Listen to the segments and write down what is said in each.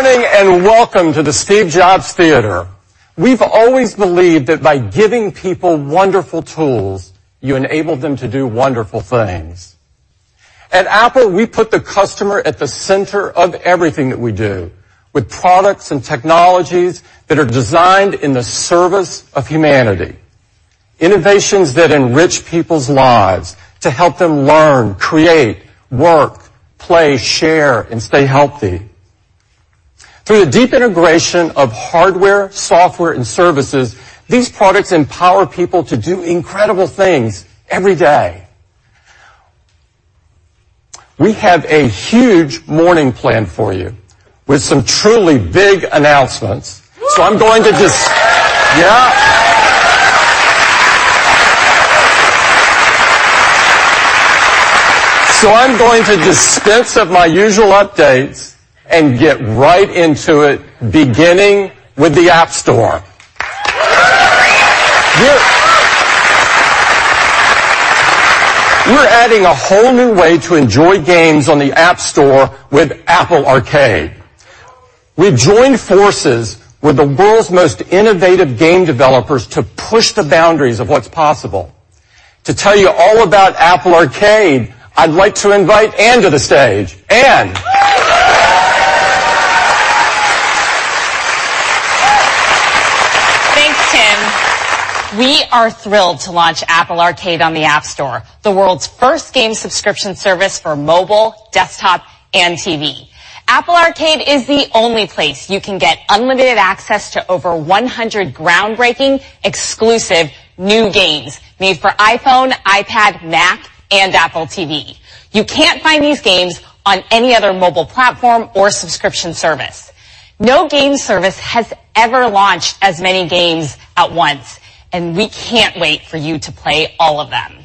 Wow. Thank you. Thank you. Thank you. Thank you. Wow. Good morning. Good morning. Welcome to the Steve Jobs Theater. We've always believed that by giving people wonderful tools, you enable them to do wonderful things. At Apple, we put the customer at the center of everything that we do, with products and technologies that are designed in the service of humanity. Innovations that enrich people's lives to help them learn, create, work, play, share, and stay healthy. Through the deep integration of hardware, software, and services, these products empower people to do incredible things every day. We have a huge morning planned for you with some truly big announcements. I'm going to dispense of my usual updates and get right into it, beginning with the App Store. We're adding a whole new way to enjoy games on the App Store with Apple Arcade. We've joined forces with the world's most innovative game developers to push the boundaries of what's possible. To tell you all about Apple Arcade, I'd like to invite Ann to the stage. Ann. Thanks, Tim. We are thrilled to launch Apple Arcade on the App Store, the world's first game subscription service for mobile, desktop, and TV. Apple Arcade is the only place you can get unlimited access to over 100 groundbreaking exclusive new games made for iPhone, iPad, Mac, and Apple TV. You can't find these games on any other mobile platform or subscription service. No game service has ever launched as many games at once, and we can't wait for you to play all of them.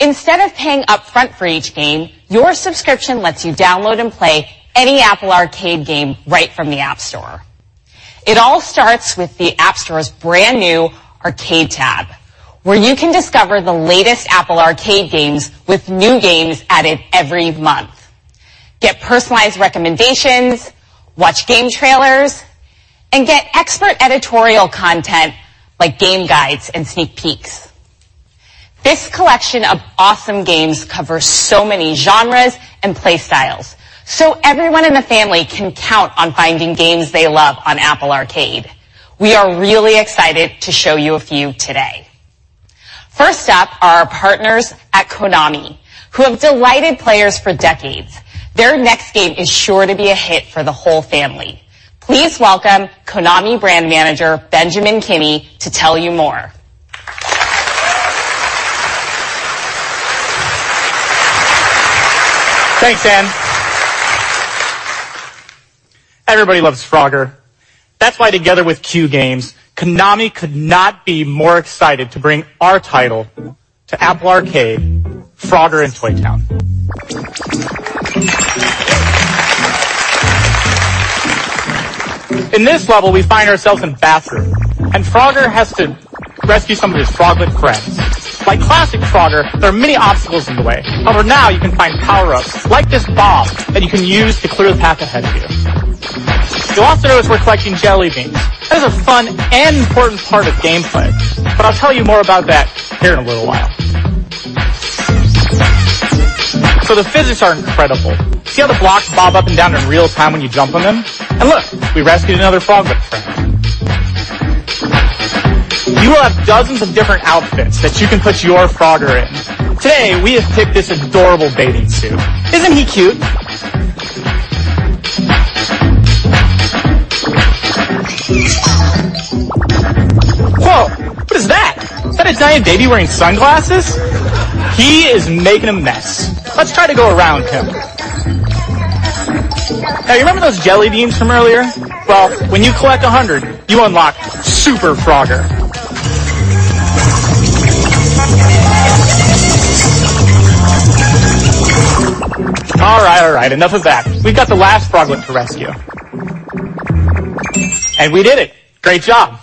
Instead of paying upfront for each game, your subscription lets you download and play any Apple Arcade game right from the App Store. It all starts with the App Store's brand-new Arcade tab, where you can discover the latest Apple Arcade games with new games added every month, get personalized recommendations, watch game trailers, and get expert editorial content like game guides and sneak peeks. This collection of awesome games covers so many genres and play styles. Everyone in the family can count on finding games they love on Apple Arcade. We are really excited to show you a few today. First up are our partners at Konami, who have delighted players for decades. Their next game is sure to be a hit for the whole family. Please welcome Konami Brand Manager, Benjamin Kinney, to tell you more. Thanks, Anne. Everybody loves Frogger. That's why together with Q-Games, Konami could not be more excited to bring our title to Apple Arcade, Frogger in Toy Town. In this level, we find ourselves in Bathroom, and Frogger has to rescue some of his froglet friends. Like classic Frogger, there are many obstacles in the way. However, now you can find power-ups, like this bomb that you can use to clear the path ahead of you. You'll also notice we're collecting jelly beans. That is a fun and important part of gameplay, but I'll tell you more about that here in a little while. The physics are incredible. See how the blocks bob up and down in real-time when you jump on them? Look, we rescued another froglet friend. You will have dozens of different outfits that you can put your Frogger in. Today, we have picked this adorable bathing suit. Isn't he cute? Whoa. What is that. Is that a giant baby wearing sunglasses? He is making a mess. Let's try to go around him. You remember those jelly beans from earlier? When you collect 100, you unlock Super Frogger. All right, all right. Enough of that. We've got the last Froglet to rescue. We did it. Great job.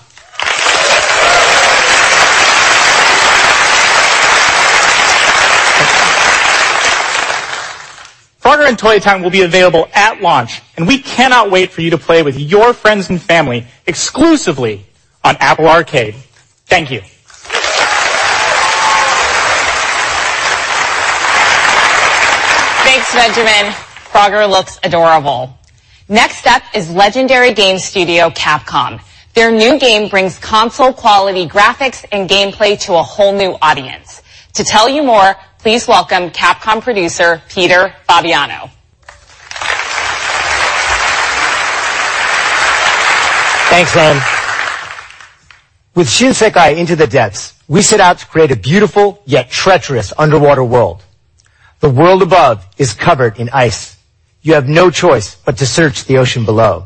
Frogger in Toy Town will be available at launch, and we cannot wait for you to play with your friends and family exclusively on Apple Arcade. Thank you. Thanks, Benjamin. Frogger looks adorable. Next up is legendary game studio Capcom. Their new game brings console-quality graphics and gameplay to a whole new audience. To tell you more, please welcome Capcom producer Peter Fabiano. Thanks, Anne. With Shinsekai: Into the Depths, we set out to create a beautiful yet treacherous underwater world. The world above is covered in ice. You have no choice but to search the ocean below.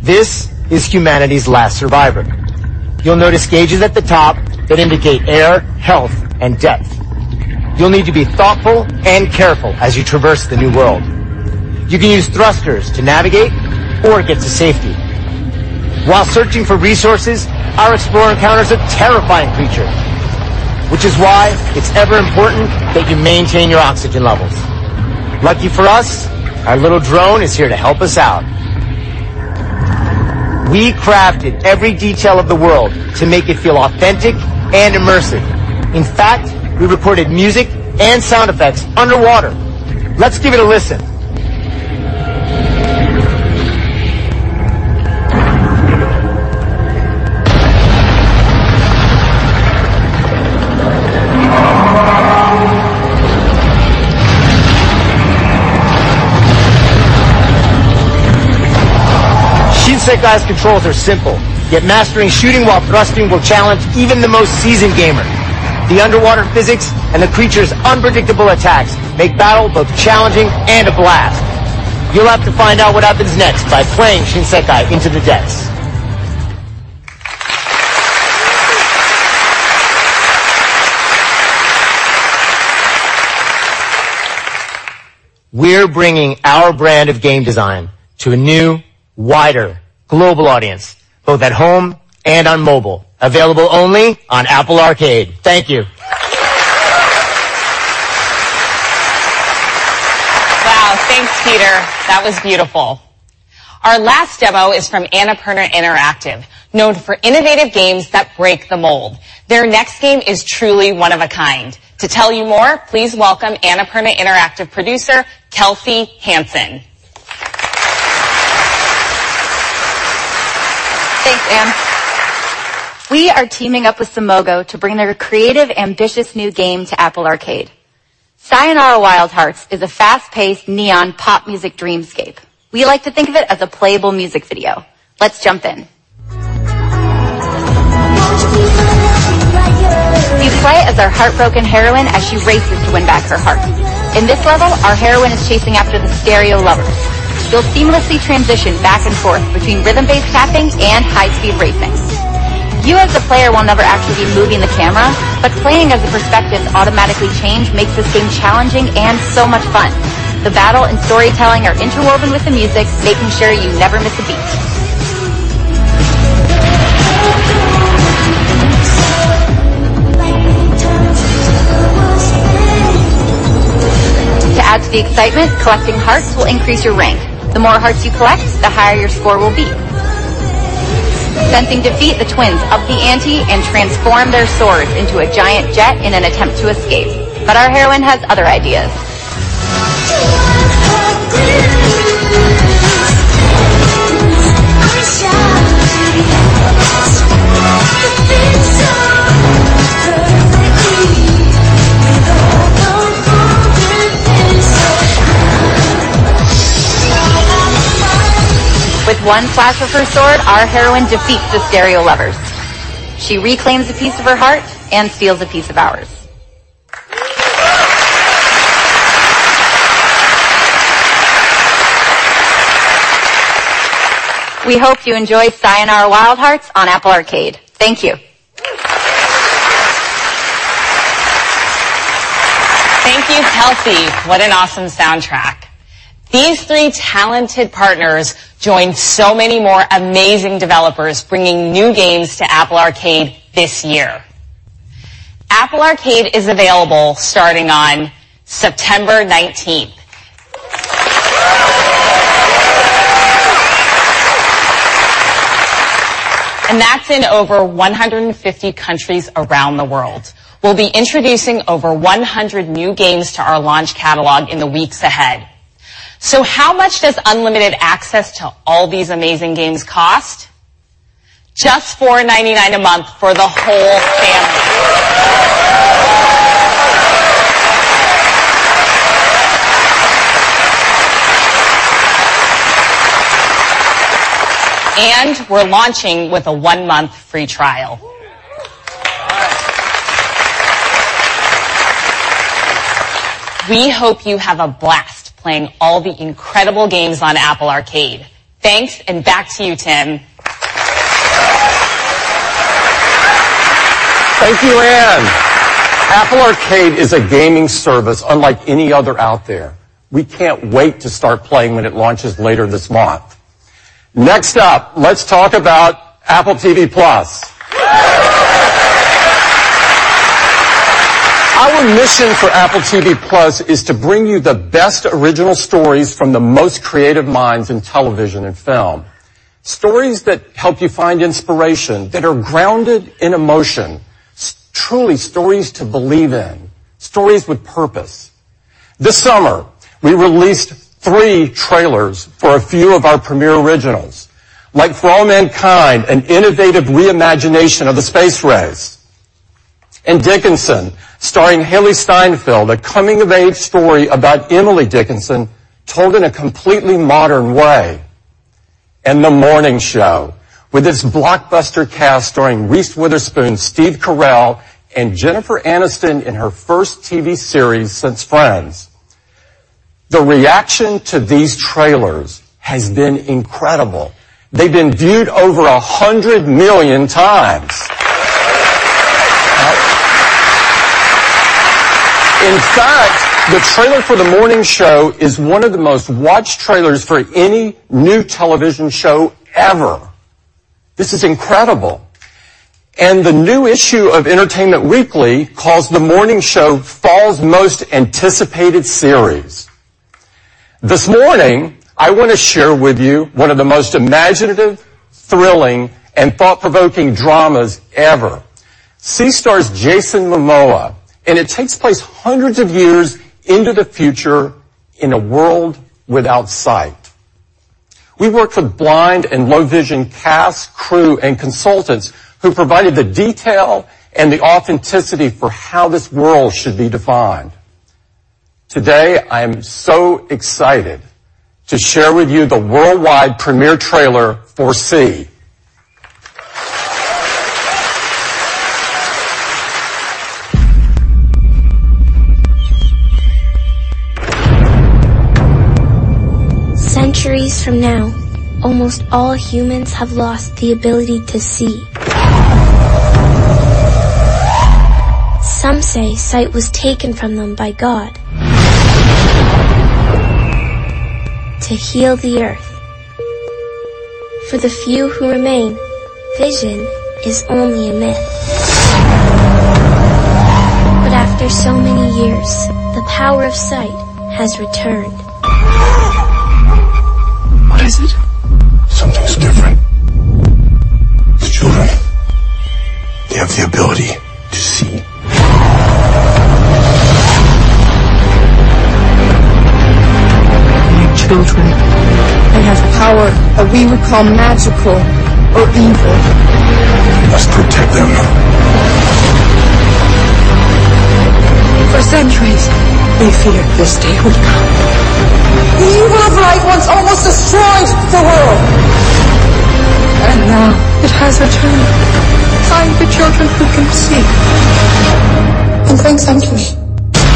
This is humanity's last survivor. You'll notice gauges at the top that indicate air, health, and depth. You'll need to be thoughtful and careful as you traverse the new world. You can use thrusters to navigate or get to safety. While searching for resources, our explorer encounters a terrifying creature, which is why it's ever important that you maintain your oxygen levels. Lucky for us, our little drone is here to help us out. We crafted every detail of the world to make it feel authentic and immersive. In fact, we recorded music and sound effects underwater. Let's give it a listen. Shinsekai's controls are simple, yet mastering shooting while thrusting will challenge even the most seasoned gamer. The underwater physics and the creatures' unpredictable attacks make battle both challenging and a blast. You'll have to find out what happens next by playing Shinsekai: Into the Depths. We're bringing our brand of game design to a new, wider global audience, both at home and on mobile, available only on Apple Arcade. Thank you. Wow, thanks, Peter. That was beautiful. Our last demo is from Annapurna Interactive, known for innovative games that break the mold. Their next game is truly one of a kind. To tell you more, please welcome Annapurna Interactive producer, Kelsey Hansen. Thanks, Ann. We are teaming up with Simogo to bring their creative, ambitious new game to Apple Arcade. Sayonara Wild Hearts is a fast-paced neon pop music dreamscape. We like to think of it as a playable music video. Let's jump in. We play as our heartbroken heroine as she races to win back her heart. In this level, our heroine is chasing after the stereo lovers. You'll seamlessly transition back and forth between rhythm-based tapping and high-speed racing. You as the player will never actually be moving the camera, but playing as the perspectives automatically change makes this game challenging and so much fun. The battle and storytelling are interwoven with the music, making sure you never miss a beat. To add to the excitement, collecting hearts will increase your rank. The more hearts you collect, the higher your score will be. Sensing defeat, the twins up the ante and transform their swords into a giant jet in an attempt to escape, but our heroine has other ideas. With one flash of her sword, our heroine defeats the stereo lovers. She reclaims a piece of her heart and steals a piece of ours. We hope you enjoy Sayonara Wild Hearts on Apple Arcade. Thank you. Thank you, Kelsey. What an awesome soundtrack. These three talented partners join so many more amazing developers bringing new games to Apple Arcade this year. Apple Arcade is available starting on September 19th. That's in over 150 countries around the world. We'll be introducing over 100 new games to our launch catalog in the weeks ahead. How much does unlimited access to all these amazing games cost? Just $4.99 a month for the whole family. We're launching with a one-month free trial. We hope you have a blast playing all the incredible games on Apple Arcade. Thanks, and back to you, Tim. Thank you, Anne. Apple Arcade is a gaming service unlike any other out there. We can't wait to start playing when it launches later this month. Next up, let's talk about Apple TV+. Our mission for Apple TV+ is to bring you the best original stories from the most creative minds in television and film, stories that help you find inspiration, that are grounded in emotion, truly stories to believe in, stories with purpose. This summer, we released three trailers for a few of our premiere originals, like For All Mankind, an innovative re-imagination of the space race, and Dickinson, starring Hailee Steinfeld, a coming-of-age story about Emily Dickinson told in a completely modern way, and The Morning Show, with its blockbuster cast starring Reese Witherspoon, Steve Carell, and Jennifer Aniston in her first TV series since Friends. The reaction to these trailers has been incredible. They've been viewed over 100 million times. In fact, the trailer for "The Morning Show" is one of the most watched trailers for any new television show ever. This is incredible. The new issue of "Entertainment Weekly" calls "The Morning Show" fall's most anticipated series. This morning, I want to share with you one of the most imaginative, thrilling, and thought-provoking dramas ever. "See" stars Jason Momoa. It takes place hundreds of years into the future in a world without sight. We worked with blind and low-vision cast, crew, and consultants who provided the detail and the authenticity for how this world should be defined. Today, I am so excited to share with you the worldwide premiere trailer for "See. Centuries from now, almost all humans have lost the ability to see. Some say sight was taken from them by God to heal the Earth. For the few who remain, vision is only a myth. After so many years, the power of sight has returned. What is it? Something's different. The children, they have the ability to see. My children. They have the power that we would call magical or evil. We must protect them. For centuries, we feared this day would come. People like us almost destroyed the world. Now it has returned in the children who can see, and thank the Ancient Ones. Now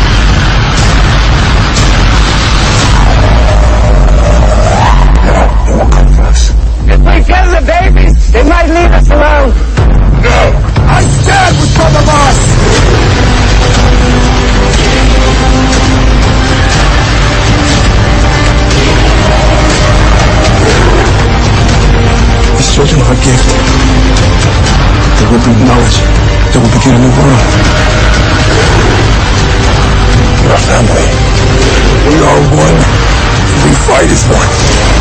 they will come for us. If we kill the babies, they might leave us alone. No. I stand with Baba Voss. These children are a gift. They will bring knowledge that will begin a new world. We are family. We are one. We fight as one.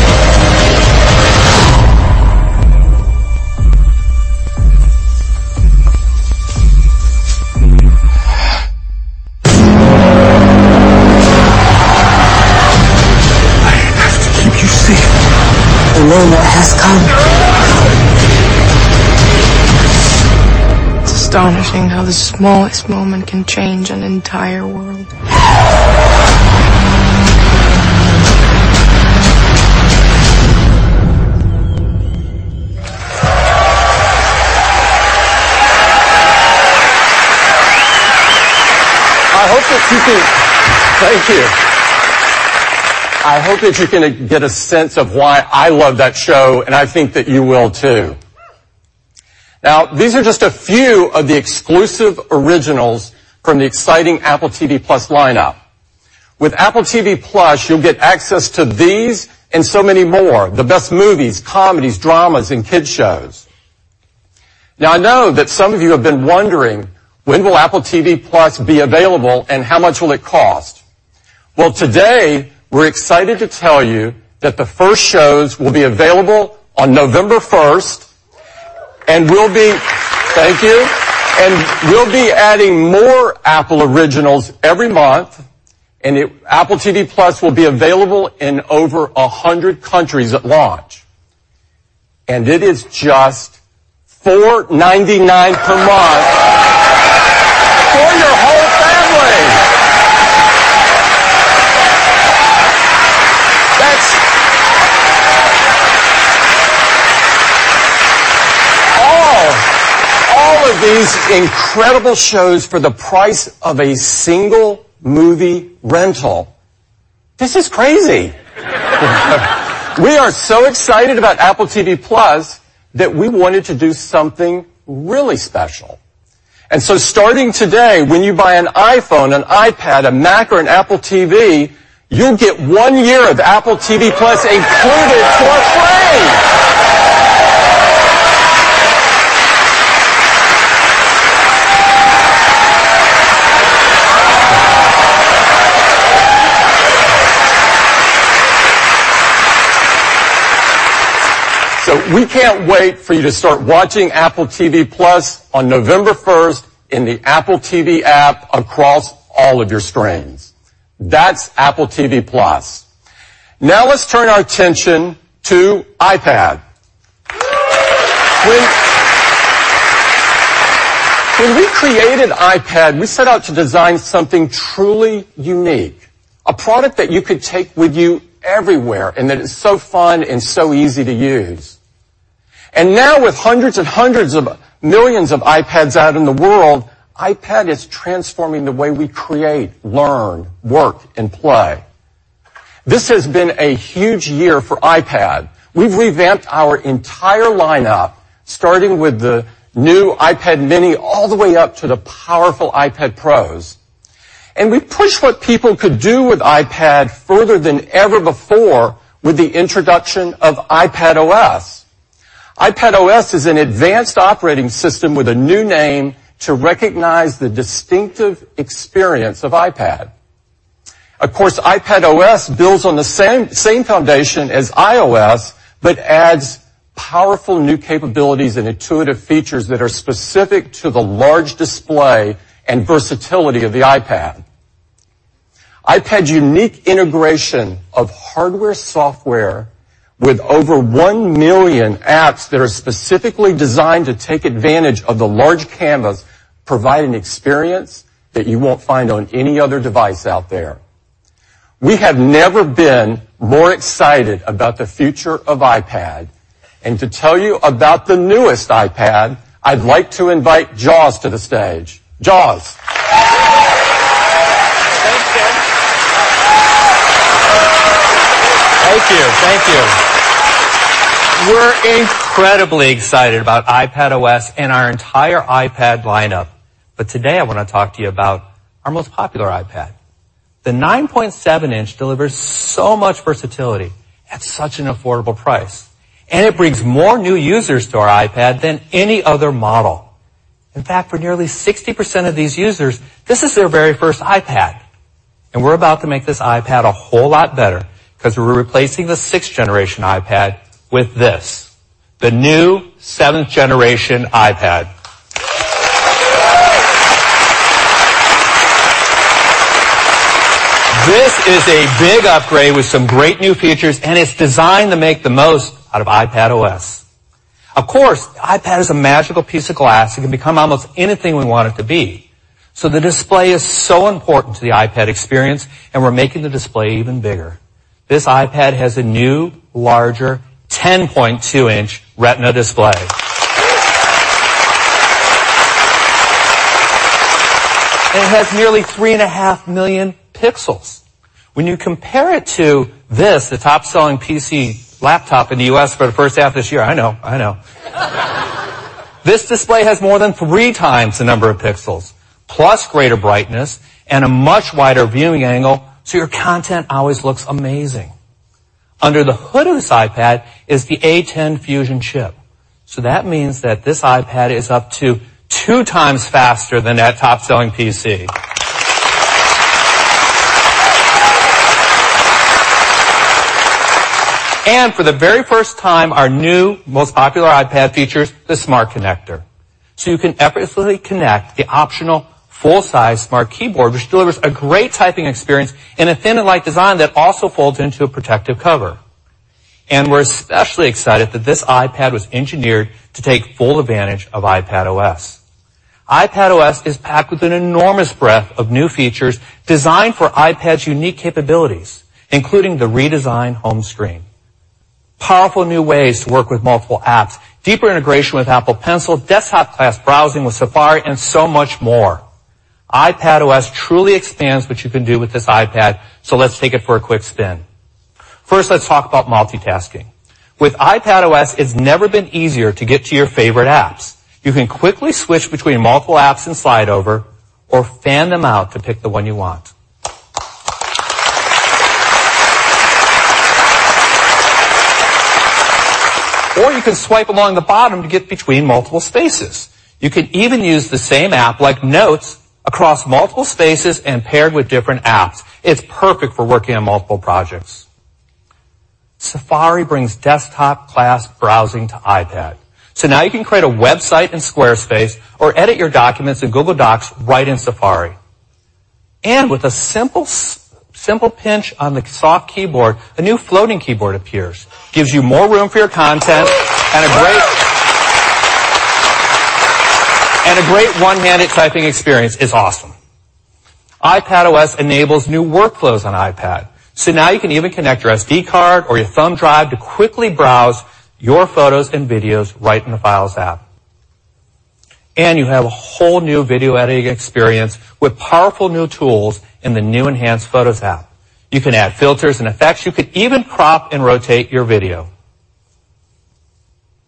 I have to keep you safe. The moment has come. It's astonishing how the smallest moment can change an entire world. I hope that you can Thank you. I hope that you can get a sense of why I love that show, and I think that you will, too. These are just a few of the exclusive originals from the exciting Apple TV+ lineup. With Apple TV+, you'll get access to these and so many more, the best movies, comedies, dramas, and kids shows. I know that some of you have been wondering: When will Apple TV+ be available, and how much will it cost? Well, today, we're excited to tell you that the first shows will be available on November 1st, and we'll be Thank you. We'll be adding more Apple originals every month, Apple TV+ will be available in over 100 countries at launch. It is just $4.99 per month for your whole family. That's all of these incredible shows for the price of a single movie rental. This is crazy. We are so excited about Apple TV+ that we wanted to do something really special. Starting today, when you buy an iPhone, an iPad, a Mac, or an Apple TV, you'll get one year of Apple TV+ included for free. We can't wait for you to start watching Apple TV+ on November 1st in the Apple TV app across all of your screens. That's Apple TV+. Let's turn our attention to iPad. When we created iPad, we set out to design something truly unique, a product that you could take with you everywhere, and that is so fun and so easy to use. With hundreds and hundreds of millions of iPads out in the world, iPad is transforming the way we create, learn, work, and play. This has been a huge year for iPad. We've revamped our entire lineup, starting with the new iPad mini all the way up to the powerful iPad Pros. We pushed what people could do with iPad further than ever before with the introduction of iPadOS. iPadOS is an advanced operating system with a new name to recognize the distinctive experience of iPad. iPadOS builds on the same foundation as iOS, but adds powerful new capabilities and intuitive features that are specific to the large display and versatility of the iPad. iPad's unique integration of hardware, software with over 1 million apps that are specifically designed to take advantage of the large canvas, provide an experience that you won't find on any other device out there. We have never been more excited about the future of iPad. To tell you about the newest iPad, I'd like to invite Joz to the stage. Joz. Thanks, Tim. Thank you. Thank you. We're incredibly excited about iPadOS and our entire iPad lineup. Today I want to talk to you about our most popular iPad. The 9.7 inch delivers so much versatility at such an affordable price, and it brings more new users to our iPad than any other model. In fact, for nearly 60% of these users, this is their very first iPad. We're about to make this iPad a whole lot better because we're replacing the sixth generation iPad with this, the new seventh generation iPad. This is a big upgrade with some great new features, and it's designed to make the most out of iPadOS. Of course, iPad is a magical piece of glass. It can become almost anything we want it to be. The display is so important to the iPad experience, and we're making the display even bigger. This iPad has a new, larger 10.2 inch Retina display. It has nearly three and a half million pixels. When you compare it to this, the top-selling PC laptop in the U.S. for the first half of this year. I know, I know. This display has more than three times the number of pixels, plus greater brightness and a much wider viewing angle, so your content always looks amazing. Under the hood of this iPad is the A10 Fusion chip. That means that this iPad is up to two times faster than that top-selling PC. For the very first time, our new most popular iPad features the Smart Connector. You can effortlessly connect the optional full-size Smart Keyboard, which delivers a great typing experience in a thin and light design that also folds into a protective cover. We're especially excited that this iPad was engineered to take full advantage of iPadOS. iPadOS is packed with an enormous breadth of new features designed for iPad's unique capabilities, including the redesigned home screen. Powerful new ways to work with multiple apps, deeper integration with Apple Pencil, desktop-class browsing with Safari, and so much more. iPadOS truly expands what you can do with this iPad. Let's take it for a quick spin. First, let's talk about multitasking. With iPadOS, it's never been easier to get to your favorite apps. You can quickly switch between multiple apps in Slide Over, or fan them out to pick the one you want. You can swipe along the bottom to get between multiple spaces. You can even use the same app, like Notes, across multiple spaces and paired with different apps. It's perfect for working on multiple projects. Safari brings desktop class browsing to iPad. Now you can create a website in Squarespace or edit your documents in Google Docs right in Safari. With a simple pinch on the soft keyboard, a new floating keyboard appears. Gives you more room for your content and a great one-handed typing experience. It's awesome. iPadOS enables new workflows on iPad. Now you can even connect your SD card or your thumb drive to quickly browse your photos and videos right in the Files app. You have a whole new video editing experience with powerful new tools in the new enhanced Photos app. You can add filters and effects. You could even crop and rotate your video.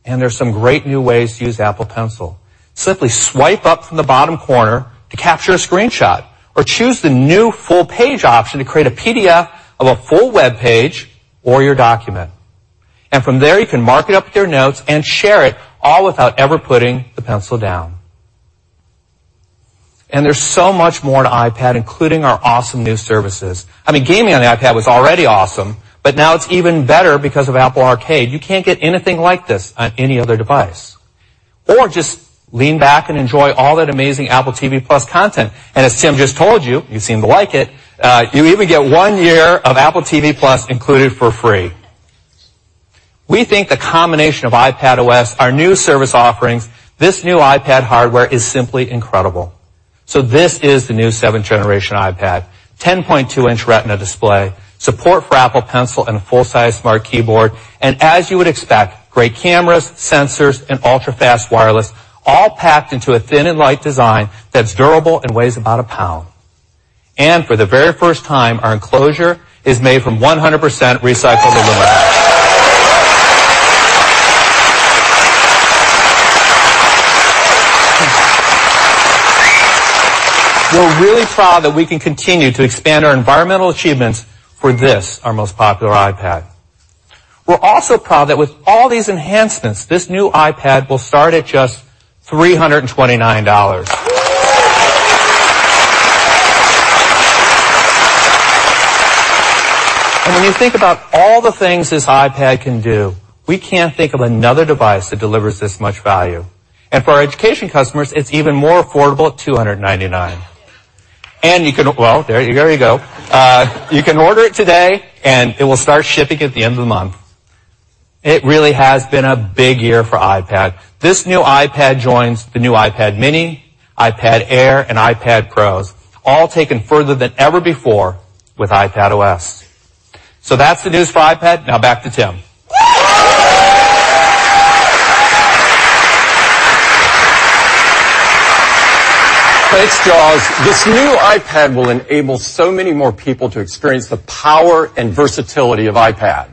There's some great new ways to use Apple Pencil. Simply swipe up from the bottom corner to capture a screenshot, or choose the new full page option to create a PDF of a full webpage or your document. From there, you can mark it up with your notes and share it, all without ever putting the pencil down. There's so much more to iPad, including our awesome new services. I mean, gaming on the iPad was already awesome, but now it's even better because of Apple Arcade. You can't get anything like this on any other device. Just lean back and enjoy all that amazing Apple TV+ content. As Tim just told you seem to like it, you even get one year of Apple TV+ included for free. We think the combination of iPadOS, our new service offerings, this new iPad hardware is simply incredible. This is the new seventh-generation iPad, 10.2-inch Retina display, support for Apple Pencil and a full-size Smart Keyboard. As you would expect, great cameras, sensors, and ultra-fast wireless all packed into a thin and light design that's durable and weighs about a pound. For the very first time, our enclosure is made from 100% recycled aluminum. We're really proud that we can continue to expand our environmental achievements for this, our most popular iPad. We're also proud that with all these enhancements, this new iPad will start at just $329. When you think about all the things this iPad can do, we can't think of another device that delivers this much value. For our education customers, it's even more affordable at $299. There you go. You can order it today, and it will start shipping at the end of the month. It really has been a big year for iPad. This new iPad joins the new iPad mini, iPad Air, and iPad Pros, all taken further than ever before with iPadOS. That's the news for iPad. Back to Tim. Thanks, Joz. This new iPad will enable so many more people to experience the power and versatility of iPad.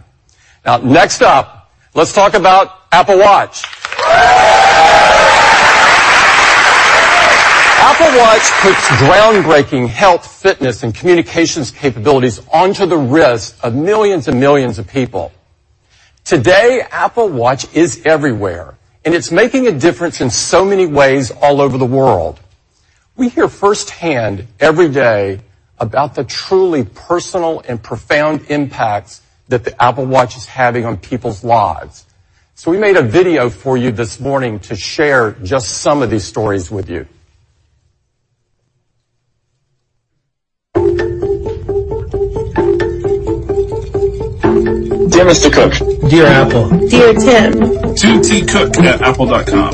Next up, let's talk about Apple Watch. Apple Watch puts groundbreaking health, fitness, and communications capabilities onto the wrist of millions and millions of people. Today, Apple Watch is everywhere, and it's making a difference in so many ways all over the world. We hear firsthand every day about the truly personal and profound impacts that the Apple Watch is having on people's lives. We made a video for you this morning to share just some of these stories with you. Dear Tim Cook. Dear Apple. Dear Tim. To tcook@apple.com.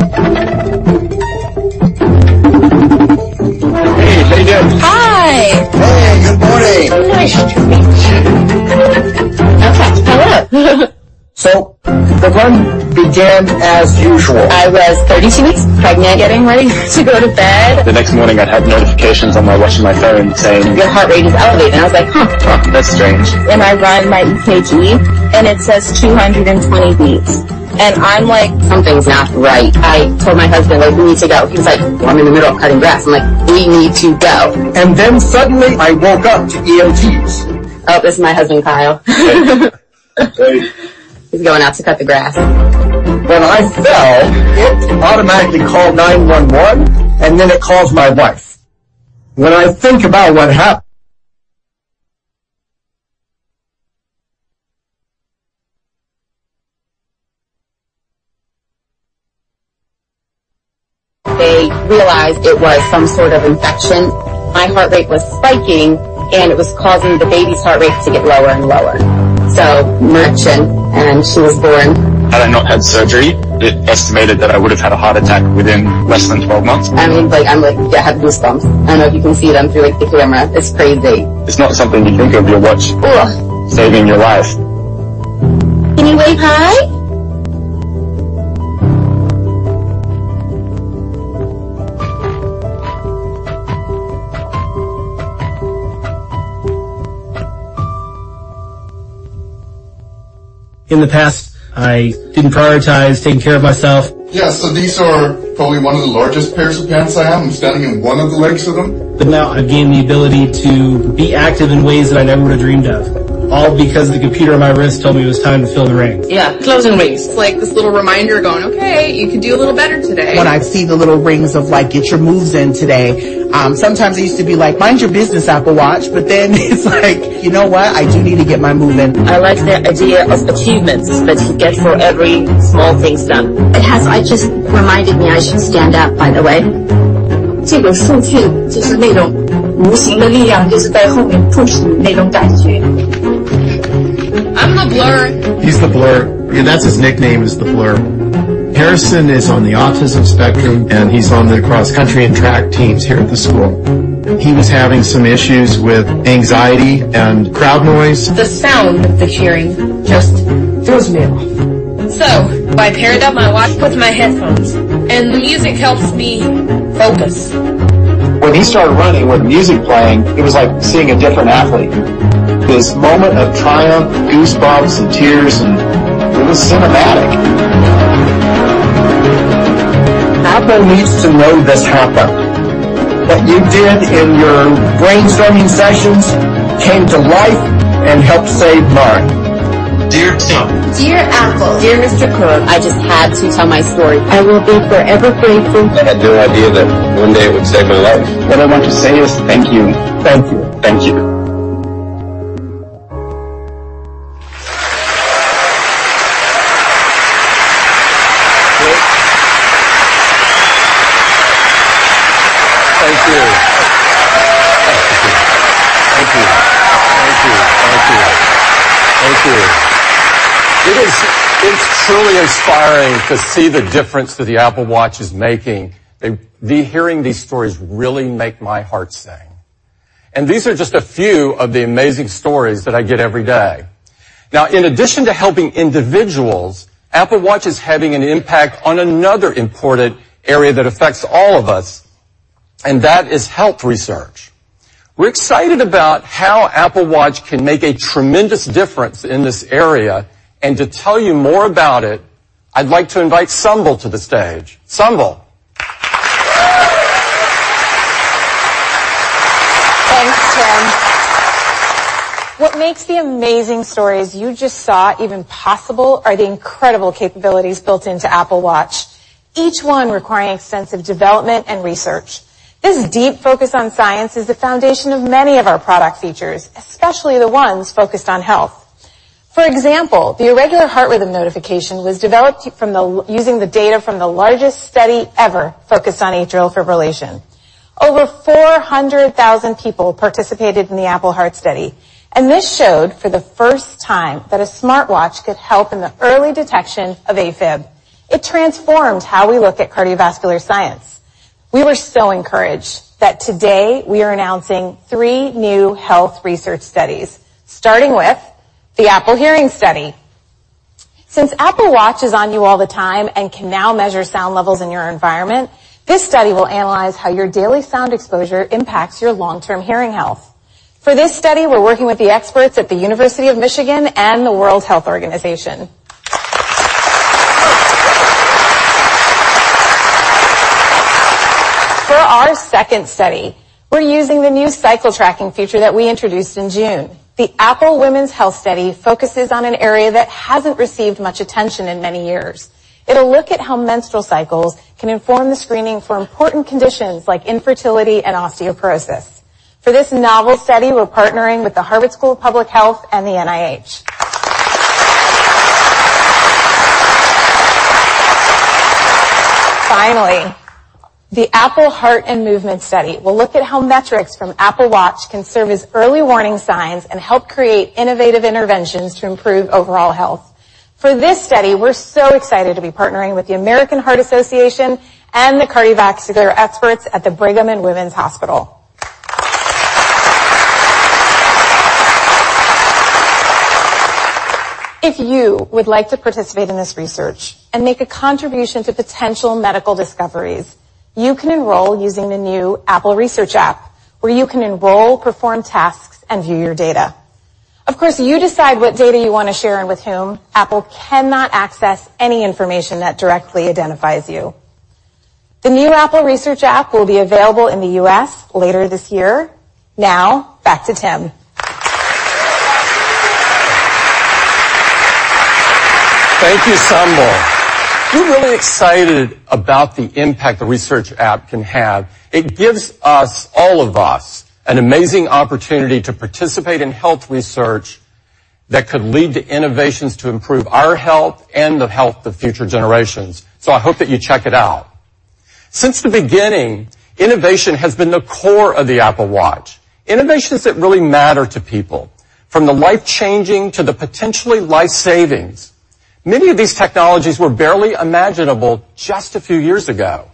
Hey, how you doing? Hi. Hey, good morning. Nice to meet you. Okay. Hello. The run began as usual. I was 32 weeks pregnant, getting ready to go to bed. The next morning, I had notifications on my watch and my phone saying. Your heart rate is elevated." I was like, "Huh. Huh, that's strange. I run my EKG, it says 220 beats, I'm like, "Something's not right." I told my husband, like, "We need to go." He's like, "Well, I'm in the middle of cutting grass." I'm like, "We need to go. Suddenly I woke up to EMTs. Oh, this is my husband, Kyle. Hey. Hey. He's going out to cut the grass. When I fell, it automatically called 911, and then it calls my wife. When I think about what happened. They realized it was some sort of infection. My heart rate was spiking, and it was causing the baby's heart rate to get lower and lower. We rushed in, and she was born. Had I not had surgery, it estimated that I would have had a heart attack within less than 12 months. I mean, I have goosebumps. I don't know if you can see them through the camera. It's crazy. It's not something you think of, your watch. Ooh saving your life. Can you wave hi? In the past, I didn't prioritize taking care of myself. Yeah, these are probably one of the largest pairs of pants I have. I'm standing in one of the legs of them. Now I've gained the ability to be active in ways that I never would've dreamed of, all because the computer on my wrist told me it was time to fill the rings. Yeah, fill the rings. It's like this little reminder going, "Okay, you could do a little better today. When I see the little rings of like, "Get your moves in today," sometimes I used to be like, "Mind your business, Apple Watch." It's like, "You know what? I do need to get my move in. I like the idea of achievements that you get for every small thing done. It has just reminded me I should stand up, by the way. I'm the Blur. He's the Blur. Yeah, that's his nickname is the Blur. Harrison is on the autism spectrum, and he's on the cross-country and track teams here at the school. He was having some issues with anxiety and crowd noise. The sound, the cheering just throws me off. I paired up my watch with my headphones, and the music helps me focus. When he started running with music playing, it was like seeing a different athlete. This moment of triumph, goosebumps, and tears, and it was cinematic. Apple needs to know this happened. What you did in your brainstorming sessions came to life and helped save mine. Dear Tim. Dear Apple. Dear Tim Cook. I just had to tell my story. I will be forever grateful. I had no idea that one day it would save my life. What I want to say is thank you. Thank you. Thank you. Great. Thank you. It is truly inspiring to see the difference that the Apple Watch is making. Hearing these stories really make my heart sing, these are just a few of the amazing stories that I get every day. Now, in addition to helping individuals, Apple Watch is having an impact on another important area that affects all of us, and that is health research. We're excited about how Apple Watch can make a tremendous difference in this area. To tell you more about it, I'd like to invite Sumbul to the stage. Sumbul. Thanks, Tim. What makes the amazing stories you just saw even possible are the incredible capabilities built into Apple Watch, each one requiring extensive development and research. This deep focus on science is the foundation of many of our product features, especially the ones focused on health. For example, the irregular heart rhythm notification was developed using the data from the largest study ever focused on atrial fibrillation. Over 400,000 people participated in the Apple Heart Study. This showed for the first time that a smartwatch could help in the early detection of AFib. It transformed how we look at cardiovascular science. We were so encouraged that today we are announcing three new health research studies, starting with the Apple Hearing Study. Since Apple Watch is on you all the time and can now measure sound levels in your environment, this study will analyze how your daily sound exposure impacts your long-term hearing health. For this study, we're working with the experts at the University of Michigan and the World Health Organization. For our second study, we're using the new cycle tracking feature that we introduced in June. The Apple Women's Health Study focuses on an area that hasn't received much attention in many years. It'll look at how menstrual cycles can inform the screening for important conditions like infertility and osteoporosis. For this novel study, we're partnering with the Harvard School of Public Health and the NIH. The Apple Heart and Movement Study will look at how metrics from Apple Watch can serve as early warning signs and help create innovative interventions to improve overall health. For this study, we're so excited to be partnering with the American Heart Association and the cardiovascular experts at the Brigham and Women's Hospital. If you would like to participate in this research and make a contribution to potential medical discoveries, you can enroll using the new Apple Research app, where you can enroll, perform tasks, and view your data. Of course, you decide what data you want to share and with whom. Apple cannot access any information that directly identifies you. The new Apple Research app will be available in the U.S. later this year. Back to Tim. Thank you, Sumbul. We're really excited about the impact the Research app can have. It gives us, all of us, an amazing opportunity to participate in health research that could lead to innovations to improve our health and the health of future generations. I hope that you check it out. Since the beginning, innovation has been the core of the Apple Watch, innovations that really matter to people, from the life-changing to the potentially life-saving. Many of these technologies were barely imaginable just a few years ago.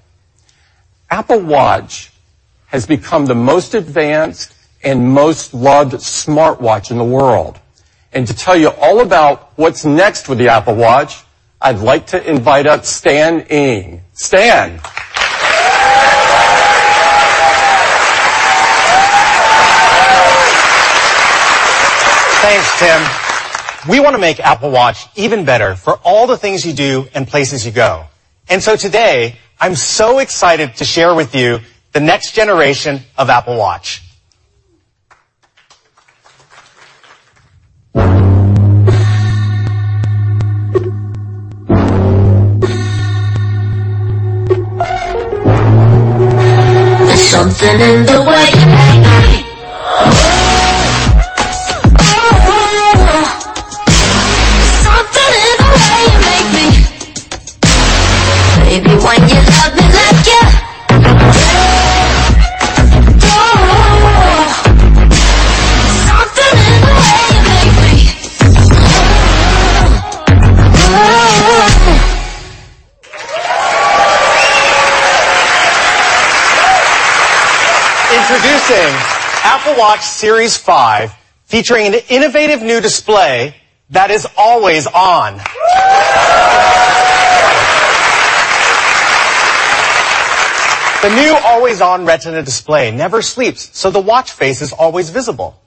Apple Watch has become the most advanced and most loved smartwatch in the world. To tell you all about what's next with the Apple Watch, I'd like to invite up Stan Ng. Stan. Thanks, Tim. We want to make Apple Watch even better for all the things you do and places you go. Today I'm so excited to share with you the next generation of Apple Watch. Introducing Apple Watch Series 5, featuring an innovative new display that is always on. The new always-on Retina display never sleeps, so the watch face is always visible.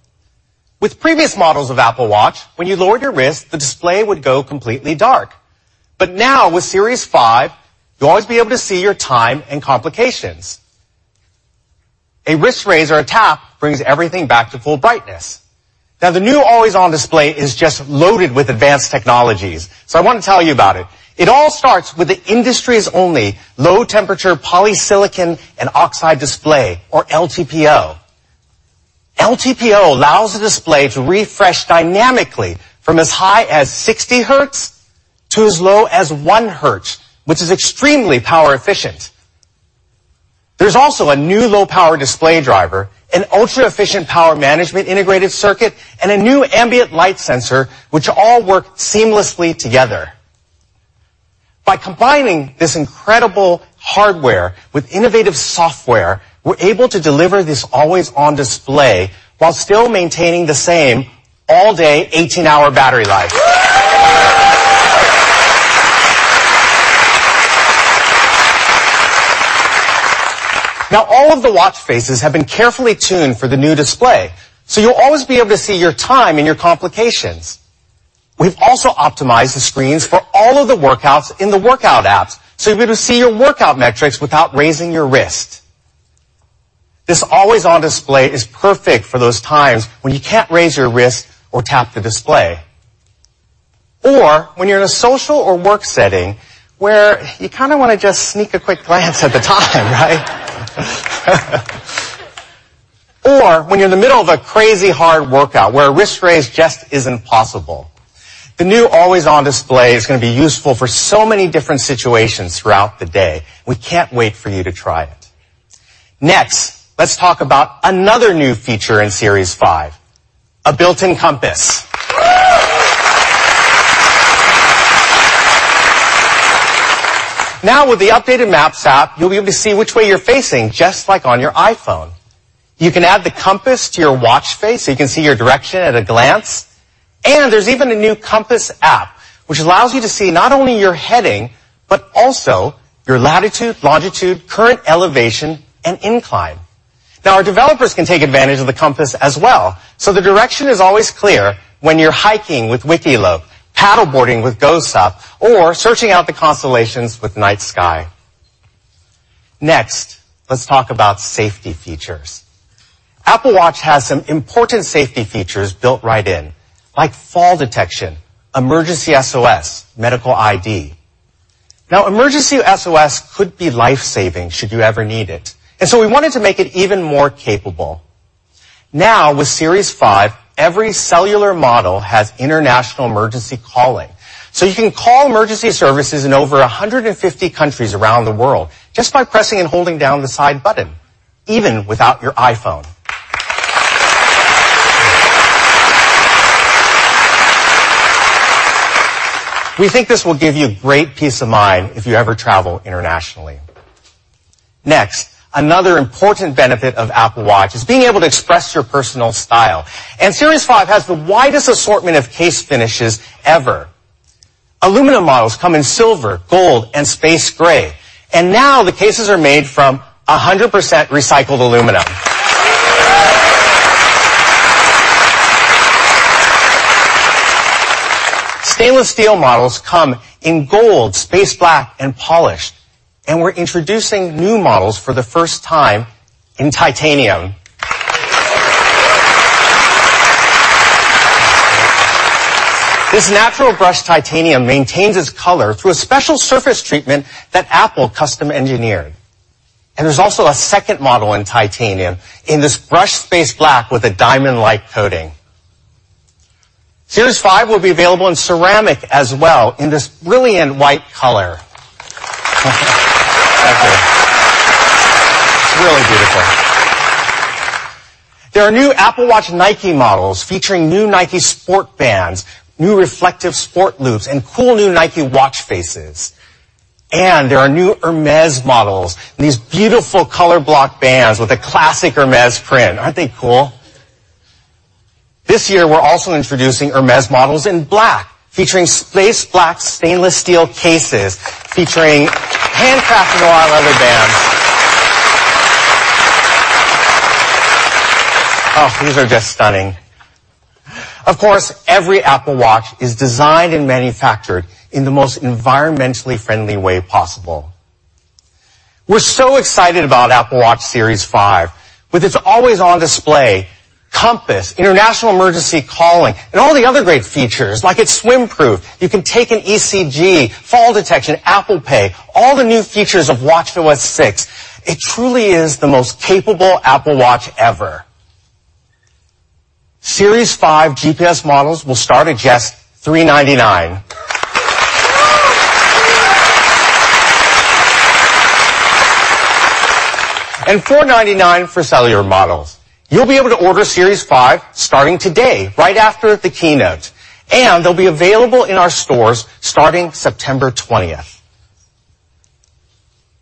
With previous models of Apple Watch, when you lowered your wrist, the display would go completely dark. Now with Series 5, you'll always be able to see your time and complications. A wrist raise or a tap brings everything back to full brightness. The new always-on display is just loaded with advanced technologies, so I want to tell you about it. It all starts with the industry's only low-temperature polysilicon and oxide display, or LTPO. LTPO allows the display to refresh dynamically from as high as 60 hertz to as low as one hertz, which is extremely power efficient. There's also a new low-power display driver, an ultra-efficient power management integrated circuit, and a new ambient light sensor which all work seamlessly together. By combining this incredible hardware with innovative software, we're able to deliver this always-on display while still maintaining the same all-day 18-hour battery life. All of the watch faces have been carefully tuned for the new display, so you'll always be able to see your time and your complications. We've also optimized the screens for all of the workouts in the workout apps, so you'll be able to see your workout metrics without raising your wrist. This always-on display is perfect for those times when you can't raise your wrist or tap the display, or when you're in a social or work setting where you kind of want to just sneak a quick glance at the time, right? Or when you're in the middle of a crazy hard workout where a wrist raise just isn't possible. The new always-on display is going to be useful for so many different situations throughout the day. We can't wait for you to try it. Next, let's talk about another new feature in Series 5, a built-in compass. Now, with the updated Maps app, you'll be able to see which way you're facing, just like on your iPhone. You can add the compass to your watch face, so you can see your direction at a glance. There's even a new Compass app, which allows you to see not only your heading but also your latitude, longitude, current elevation, and incline. Our developers can take advantage of the compass as well, so the direction is always clear when you're hiking with Wikiloc, paddle boarding with GoSUP, or searching out the constellations with Night Sky. Let's talk about safety features. Apple Watch has some important safety features built right in, like fall detection, Emergency SOS, Medical ID. Emergency SOS could be life-saving should you ever need it, we wanted to make it even more capable. With Series 5, every cellular model has international emergency calling, so you can call emergency services in over 150 countries around the world just by pressing and holding down the side button, even without your iPhone. We think this will give you great peace of mind if you ever travel internationally. Another important benefit of Apple Watch is being able to express your personal style, and Series 5 has the widest assortment of case finishes ever. Aluminum models come in silver, gold, and space gray, and now the cases are made from 100% recycled aluminum. Stainless steel models come in gold, space black, and polished, and we're introducing new models for the first time in titanium. This natural brushed titanium maintains its color through a special surface treatment that Apple custom-engineered. There's also a second model in titanium in this brushed space black with a diamond-like coating. Series 5 will be available in ceramic as well in this brilliant white color. Thank you. It's really beautiful. There are new Apple Watch Nike models featuring new Nike Sport Bands, new reflective Sport Loops, and cool new Nike watch faces. There are new Hermès models in these beautiful color block bands with a classic Hermès print. Aren't they cool? This year, we're also introducing Hermès models in black, featuring space black stainless steel cases, featuring handcrafted royal leather bands. Oh, these are just stunning. Of course, every Apple Watch is designed and manufactured in the most environmentally friendly way possible. We're so excited about Apple Watch Series 5. With its always-on display, compass, international emergency calling, and all the other great features, like it's swim-proof, you can take an ECG, fall detection, Apple Pay, all the new features of watchOS 6, it truly is the most capable Apple Watch ever. Series 5 GPS models will start at just $399. $499 for cellular models. You'll be able to order Series 5 starting today, right after the keynote, and they'll be available in our stores starting September 20th.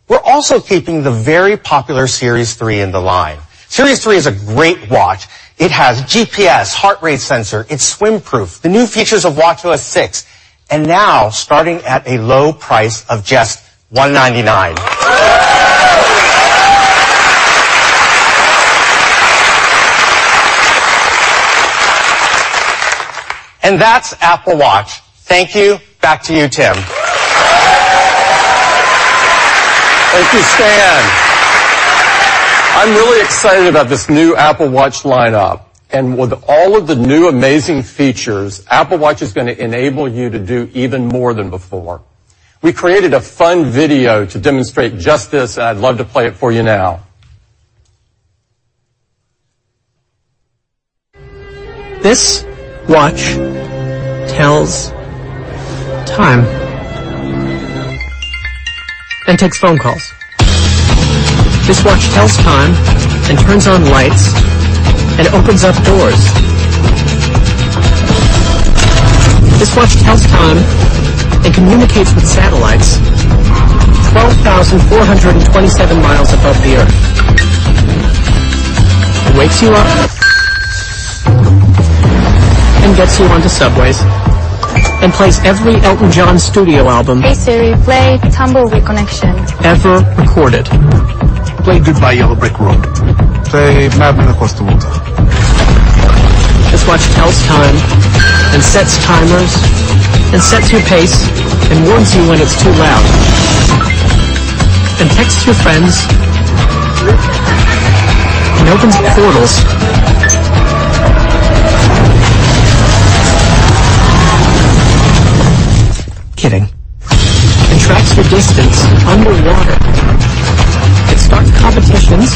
We're also keeping the very popular Series 3 in the line. Series 3 is a great watch. It has GPS, heart rate sensor, it's swim-proof, the new features of watchOS 6, and now starting at a low price of just $199. That's Apple Watch. Thank you. Back to you, Tim. Thank you, Stan. I'm really excited about this new Apple Watch lineup, and with all of the new amazing features, Apple Watch is going to enable you to do even more than before. We created a fun video to demonstrate just this, and I'd love to play it for you now This watch tells time and takes phone calls. This watch tells time, and turns on lights, and opens up doors. This watch tells time and communicates with satellites 12,427 miles above the Earth. It wakes you up and gets you onto subways and plays every Elton John studio album. Hey, Siri, play "Tumbleweed Connection. ever recorded. Play "Goodbye Yellow Brick Road. Play "Madman Across the Water. This watch tells time and sets timers, and sets your pace, and warns you when it's too loud, and texts your friends, and opens portals. Kidding. Tracks your distance underwater, and starts competitions,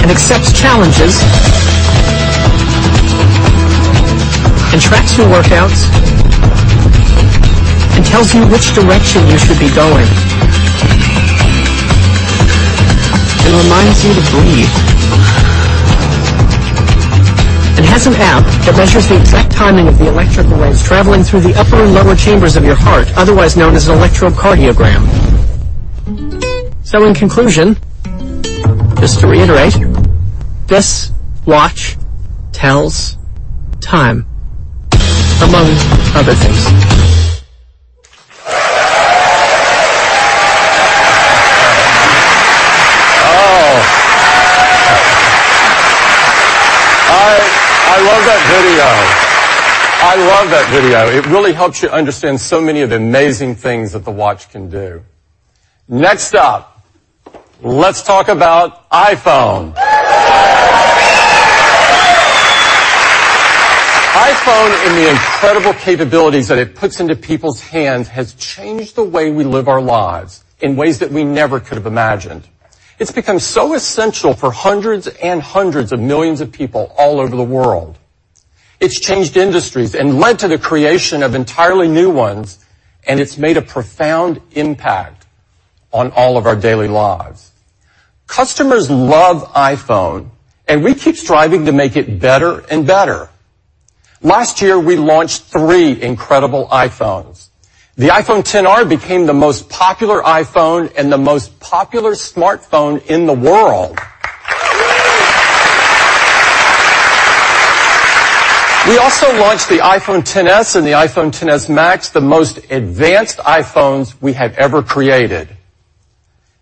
and accepts challenges, and tracks your workouts, and tells you which direction you should be going, and reminds you to breathe. Has an app that measures the exact timing of the electrical waves traveling through the upper and lower chambers of your heart, otherwise known as an electrocardiogram. In conclusion, just to reiterate, this watch tells time, among other things. Oh. I love that video. I love that video. It really helps you understand so many of the amazing things that the watch can do. Next up, let's talk about iPhone. iPhone and the incredible capabilities that it puts into people's hands has changed the way we live our lives in ways that we never could have imagined. It's become so essential for hundreds and hundreds of millions of people all over the world. It's changed industries and led to the creation of entirely new ones, and it's made a profound impact on all of our daily lives. Customers love iPhone, and we keep striving to make it better and better. Last year, we launched three incredible iPhones. The iPhone XR became the most popular iPhone and the most popular smartphone in the world. We also launched the iPhone XS and the iPhone XS Max, the most advanced iPhones we have ever created.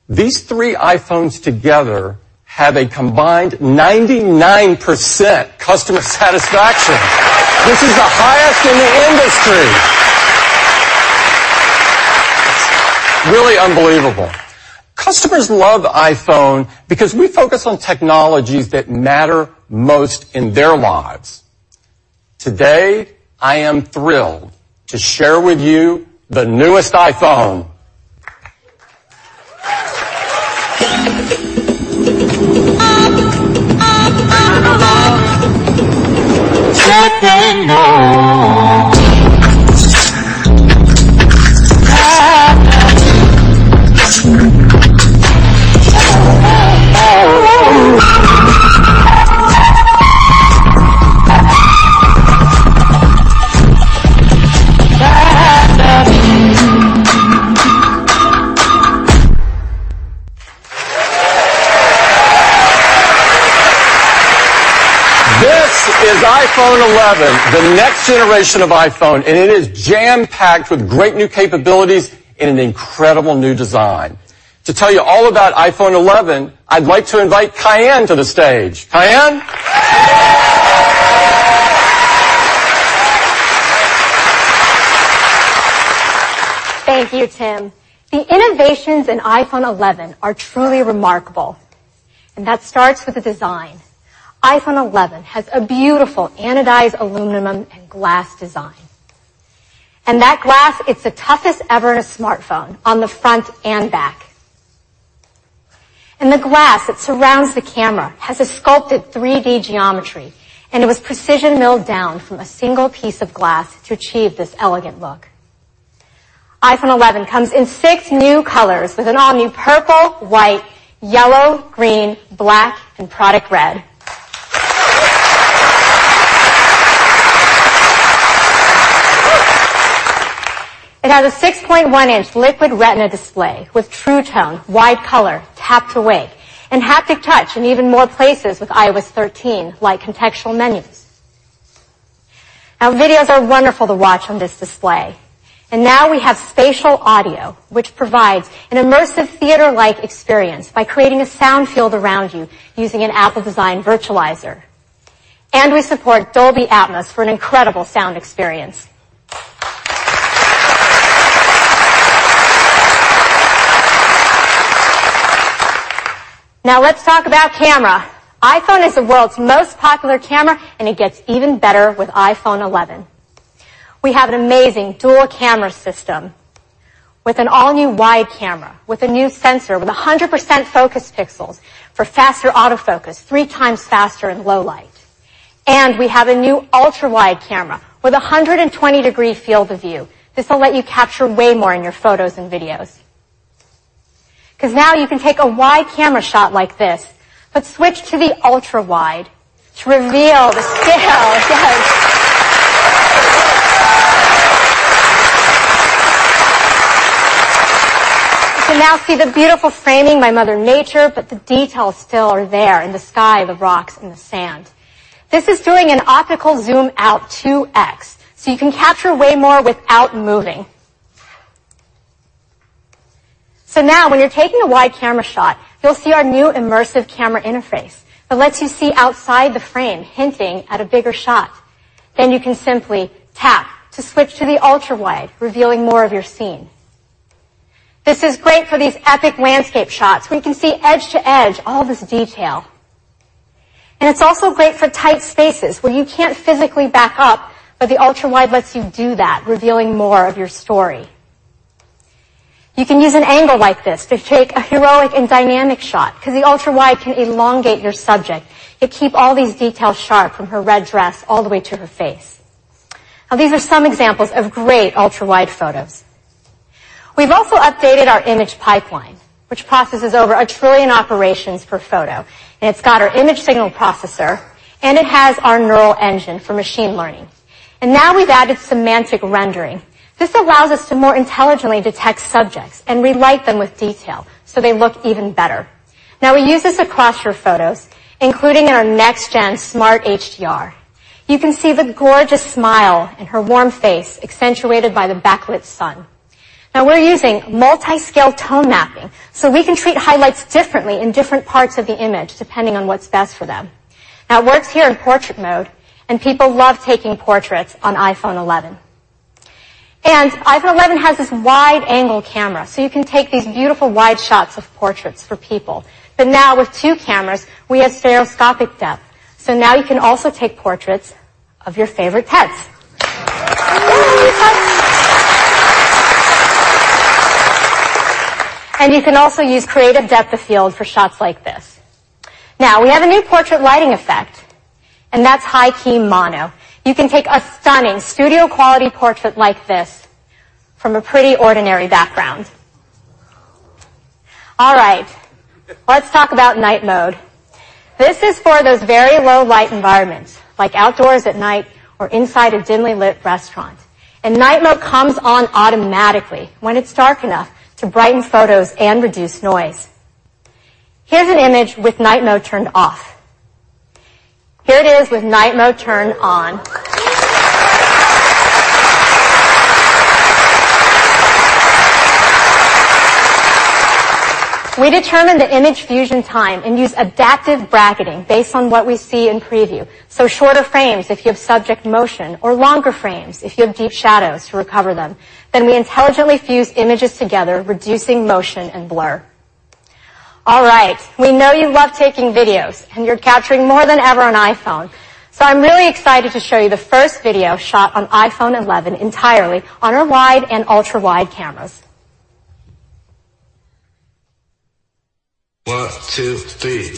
These three iPhones together have a combined 99% customer satisfaction. This is the highest in the industry. Really unbelievable. Customers love iPhone because we focus on technologies that matter most in their lives. Today, I am thrilled to share with you the newest iPhone. This is iPhone 11, the next generation of iPhone, and it is jam-packed with great new capabilities and an incredible new design. To tell you all about iPhone 11, I'd like to invite Kaiann to the stage. Kaiann? Thank you, Tim. The innovations in iPhone 11 are truly remarkable, and that starts with the design. iPhone 11 has a beautiful anodized aluminum and glass design. That glass is the toughest ever in a smartphone on the front and back. The glass that surrounds the camera has a sculpted 3D geometry, and it was precision-milled down from a single piece of glass to achieve this elegant look. iPhone 11 comes in six new colors, with an all-new purple, white, yellow, green, black, and (PRODUCT)RED. It has a 6.1-inch Liquid Retina display with True Tone, wide color, Tap to Wake, and haptic touch in even more places with iOS 13, like contextual menus. Now, videos are wonderful to watch on this display. Now we have Spatial Audio, which provides an immersive theater-like experience by creating a sound field around you using an Apple-designed virtualizer. We support Dolby Atmos for an incredible sound experience. Now let's talk about camera. iPhone is the world's most popular camera, and it gets even better with iPhone 11. We have an amazing dual camera system with an all-new wide camera, with a new sensor, with 100% focus pixels for faster autofocus, three times faster in low light. We have a new ultra wide camera with 120-degree field of view. This will let you capture way more in your photos and videos. Now you can take a wide camera shot like this, but switch to the ultra wide to reveal the scale. You can now see the beautiful framing by Mother Nature, but the details still are there in the sky, the rocks, and the sand. This is doing an optical zoom out 2X, so you can capture way more without moving. Now when you're taking a wide camera shot, you'll see our new immersive camera interface that lets you see outside the frame, hinting at a bigger shot. You can simply tap to switch to the ultra wide, revealing more of your scene. This is great for these epic landscape shots, where you can see edge to edge, all this detail. It's also great for tight spaces where you can't physically back up, but the ultra wide lets you do that, revealing more of your story. You can use an angle like this to take a heroic and dynamic shot because the ultra wide can elongate your subject, yet keep all these details sharp from her red dress all the way to her face. These are some examples of great ultra wide photos. We've also updated our image pipeline, which processes over a trillion operations per photo. It's got our image signal processor, and it has our neural engine for machine learning. Now we've added semantic rendering. This allows us to more intelligently detect subjects and relight them with detail so they look even better. We use this across your photos, including in our next gen smart HDR. You can see the gorgeous smile in her warm face accentuated by the backlit sun. We're using multi-scale tone mapping, so we can treat highlights differently in different parts of the image, depending on what's best for them. It works here in portrait mode, and people love taking portraits on iPhone 11. iPhone 11 has this wide-angle camera, so you can take these beautiful wide shots of portraits for people. Now with two cameras, we have stereoscopic depth. Now you can also take portraits of your favorite pets. Yay, pups. You can also use creative depth of field for shots like this. Now, we have a new portrait lighting effect, and that's High-Key Light Mono. You can take a stunning studio quality portrait like this from a pretty ordinary background. All right. Let's talk about night mode. This is for those very low light environments, like outdoors at night or inside a dimly lit restaurant. Night mode comes on automatically when it's dark enough to brighten photos and reduce noise. Here's an image with night mode turned off. Here it is with night mode turned on. We determine the image fusion time and use adaptive bracketing based on what we see in preview. Shorter frames if you have subject motion or longer frames if you have deep shadows, to recover them. We intelligently fuse images together, reducing motion and blur. All right. We know you love taking videos, and you're capturing more than ever on iPhone. I'm really excited to show you the first video shot on iPhone 11 entirely on our wide and ultra wide cameras. One, two, three.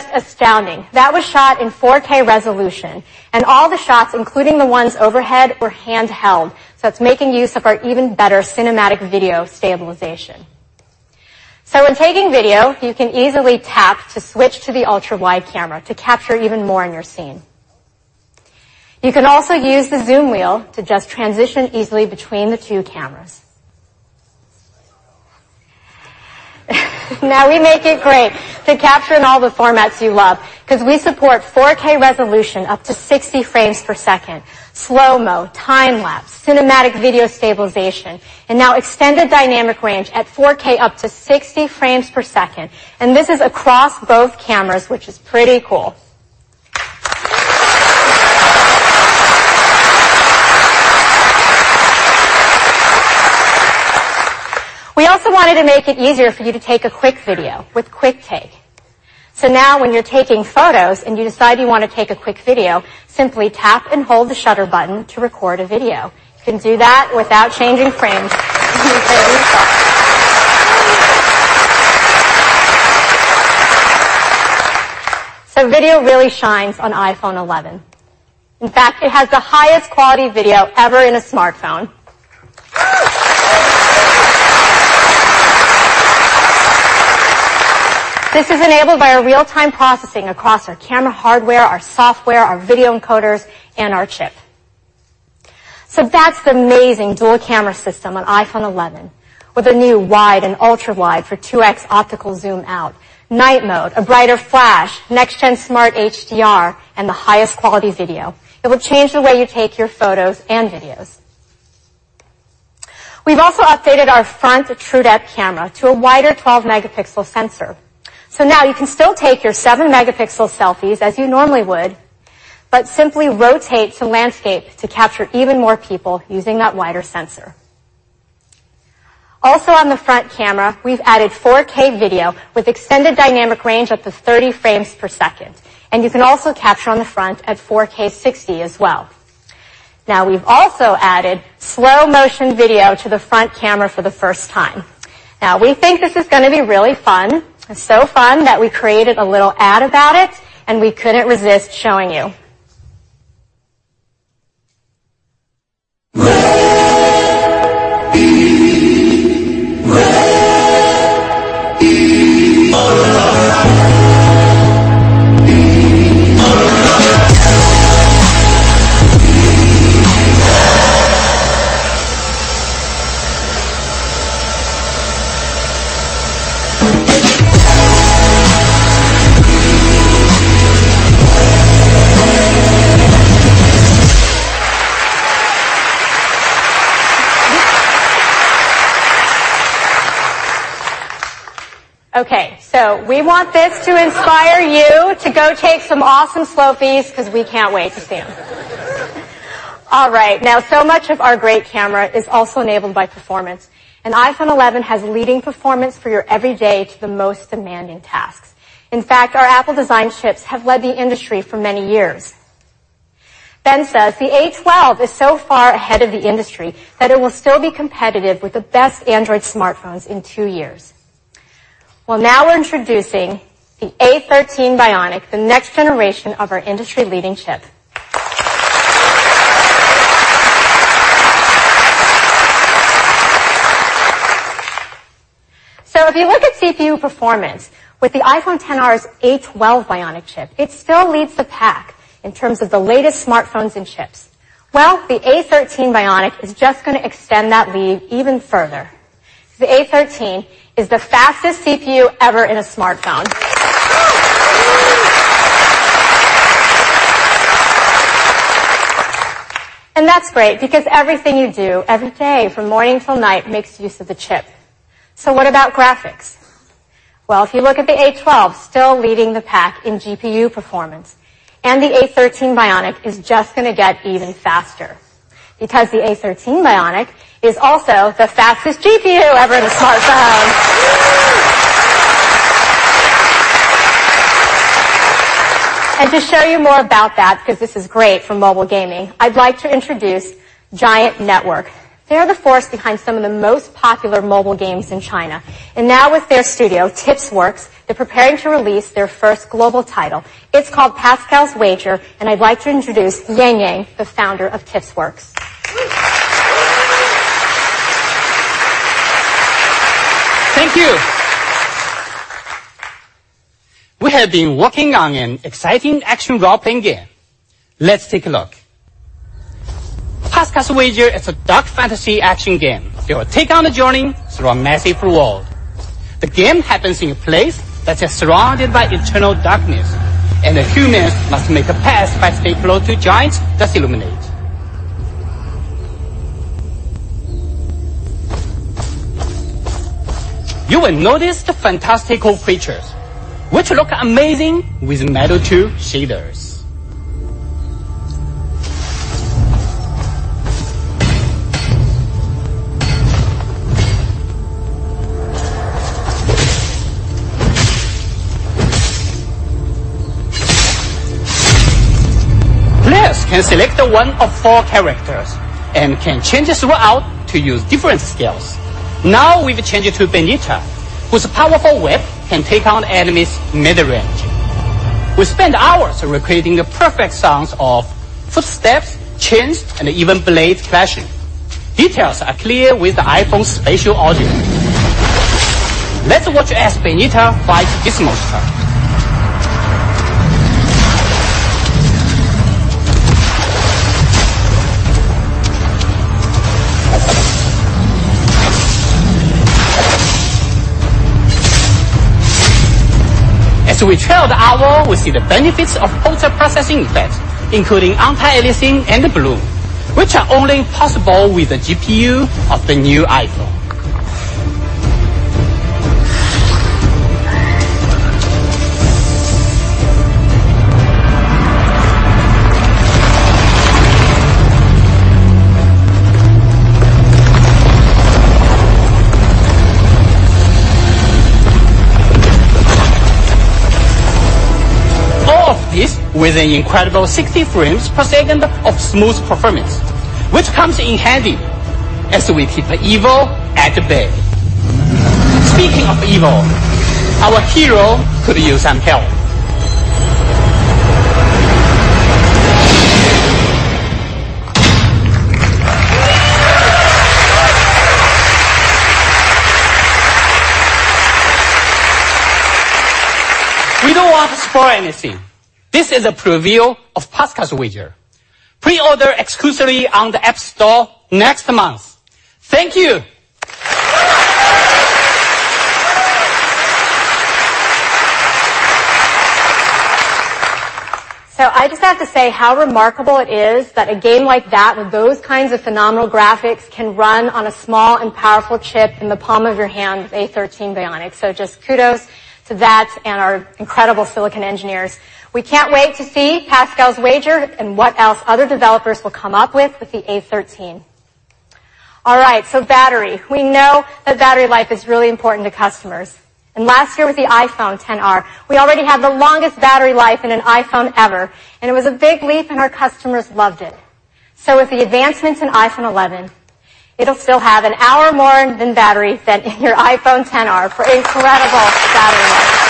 Oh. Oh. Oh. Yeah, go, go. I'm alive and I know to tell. I'm alive and I know to tell. Do you know? Do you know? Yeah. You should know. Do you know? Do you know? Oh. The quality is just astounding. That was shot in 4K resolution, and all the shots, including the ones overhead, were handheld. It's making use of our even better cinematic video stabilization. When taking video, you can easily tap to switch to the ultra wide camera to capture even more in your scene. You can also use the zoom wheel to just transition easily between the two cameras. We make it great to capture in all the formats you love because we support 4K resolution up to 60 frames per second, slow mo, time lapse, cinematic video stabilization, and now extended dynamic range at 4K up to 60 frames per second. This is across both cameras, which is pretty cool. We also wanted to make it easier for you to take a quick video with QuickTake. Now when you're taking photos and you decide you want to take a quick video, simply tap and hold the shutter button to record a video. You can do that without changing frames. Video really shines on iPhone 11. In fact, it has the highest quality video ever in a smartphone. This is enabled by our real-time processing across our camera hardware, our software, our video encoders, and our chip. That's the amazing dual camera system on iPhone 11 with a new wide and ultra wide for 2X optical zoom out, night mode, a brighter flash, next gen smart HDR, and the highest quality video. It will change the way you take your photos and videos. We've also updated our front TrueDepth camera to a wider 12 megapixel sensor. Now you can still take your seven megapixel selfies as you normally would, simply rotate to landscape to capture even more people using that wider sensor. Also on the front camera, we've added 4K video with extended dynamic range up to 30 frames per second, you can also capture on the front at 4K 60 as well. We've also added slow motion video to the front camera for the first time. We think this is going to be really fun. It's so fun that we created a little ad about it, we couldn't resist showing you. We want this to inspire you to go take some awesome slofies because we can't wait to see them. All right. Now so much of our great camera is also enabled by performance, and iPhone 11 has leading performance for your everyday to the most demanding tasks. In fact, our Apple designed chips have led the industry for many years. Ben says the A12 is so far ahead of the industry that it will still be competitive with the best Android smartphones in two years. Well, now we're introducing the A13 Bionic, the next generation of our industry-leading chip. If you look at CPU performance with the iPhone XR's A12 Bionic chip, it still leads the pack in terms of the latest smartphones and chips. Well, the A13 Bionic is just going to extend that lead even further. The A13 is the fastest CPU ever in a smartphone. That's great because everything you do every day from morning till night makes use of the chip. What about graphics? If you look at the A12 still leading the pack in GPU performance, and the A13 Bionic is just going to get even faster because the A13 Bionic is also the fastest GPU ever in a smartphone. To show you more about that, because this is great for mobile gaming, I'd like to introduce Giant Network. They are the force behind some of the most popular mobile games in China. Now with their studio TipsWorks, they're preparing to release their first global title. It's called Pascal's Wager, and I'd like to introduce Yang Yang, the founder of TipsWorks. Thank you. We have been working on an exciting action role-playing game. Let's take a look. Pascal's Wager. It's a dark fantasy action game. You will take on a journey through a massive world. The game happens in a place that is surrounded by eternal darkness, and the humans must make a path by staying close to giants that illuminate. You will notice the fantastical features which look amazing with Metal 2 shaders. Players can select one of four characters and can change throughout to use different skills. Now we've changed to Benita, whose powerful whip can take on enemies mid-range. We spent hours recreating the perfect sounds of footsteps, chains, and even blades clashing. Details are clear with the iPhone Spatial Audio. Let's watch as Benita fights this monster. As we trail the hour, we see the benefits of post-processing effects, including anti-aliasing and the bloom, which are only possible with the GPU of the new iPhone. All of this with an incredible 60 frames per second of smooth performance, which comes in handy as we keep evil at bay. Speaking of evil, our hero could use some help. We don't want to spoil anything. This is a preview of Pascal's Wager. Pre-order exclusively on the App Store next month. Thank you. I just have to say how remarkable it is that a game like that with those kinds of phenomenal graphics can run on a small and powerful chip in the palm of your hand with A13 Bionic. Just kudos to that and our incredible silicon engineers. We can't wait to see Pascal's Wager and what else other developers will come up with with the A13. All right, battery. We know that battery life is really important to customers. Last year with the iPhone XR, we already had the longest battery life in an iPhone ever, and it was a big leap and our customers loved it. With the advancements in iPhone 11, it'll still have one hour more in battery than in your iPhone XR for incredible battery life.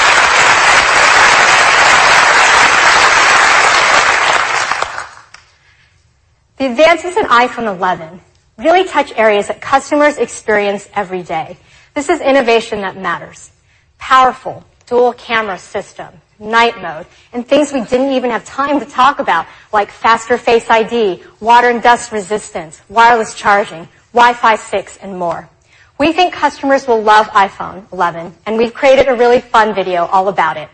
The advances in iPhone 11 really touch areas that customers experience every day. This is innovation that matters. Powerful dual-camera system, Night Mode, and things we didn't even have time to talk about, like faster Face ID, water and dust resistance, wireless charging, Wi-Fi 6, and more. We think customers will love iPhone 11, and we've created a really fun video all about it.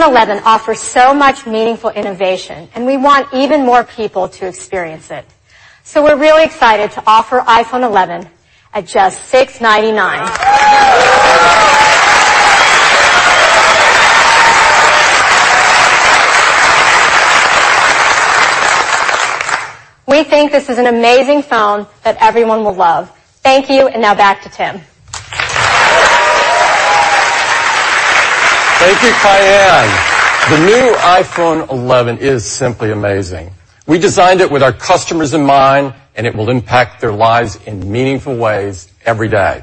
iPhone 11 offers so much meaningful innovation, and we want even more people to experience it. We're really excited to offer iPhone 11 at just $699. We think this is an amazing phone that everyone will love. Thank you, and now back to Tim. Thank you, Kaiann. The new iPhone 11 is simply amazing. We designed it with our customers in mind. It will impact their lives in meaningful ways every day.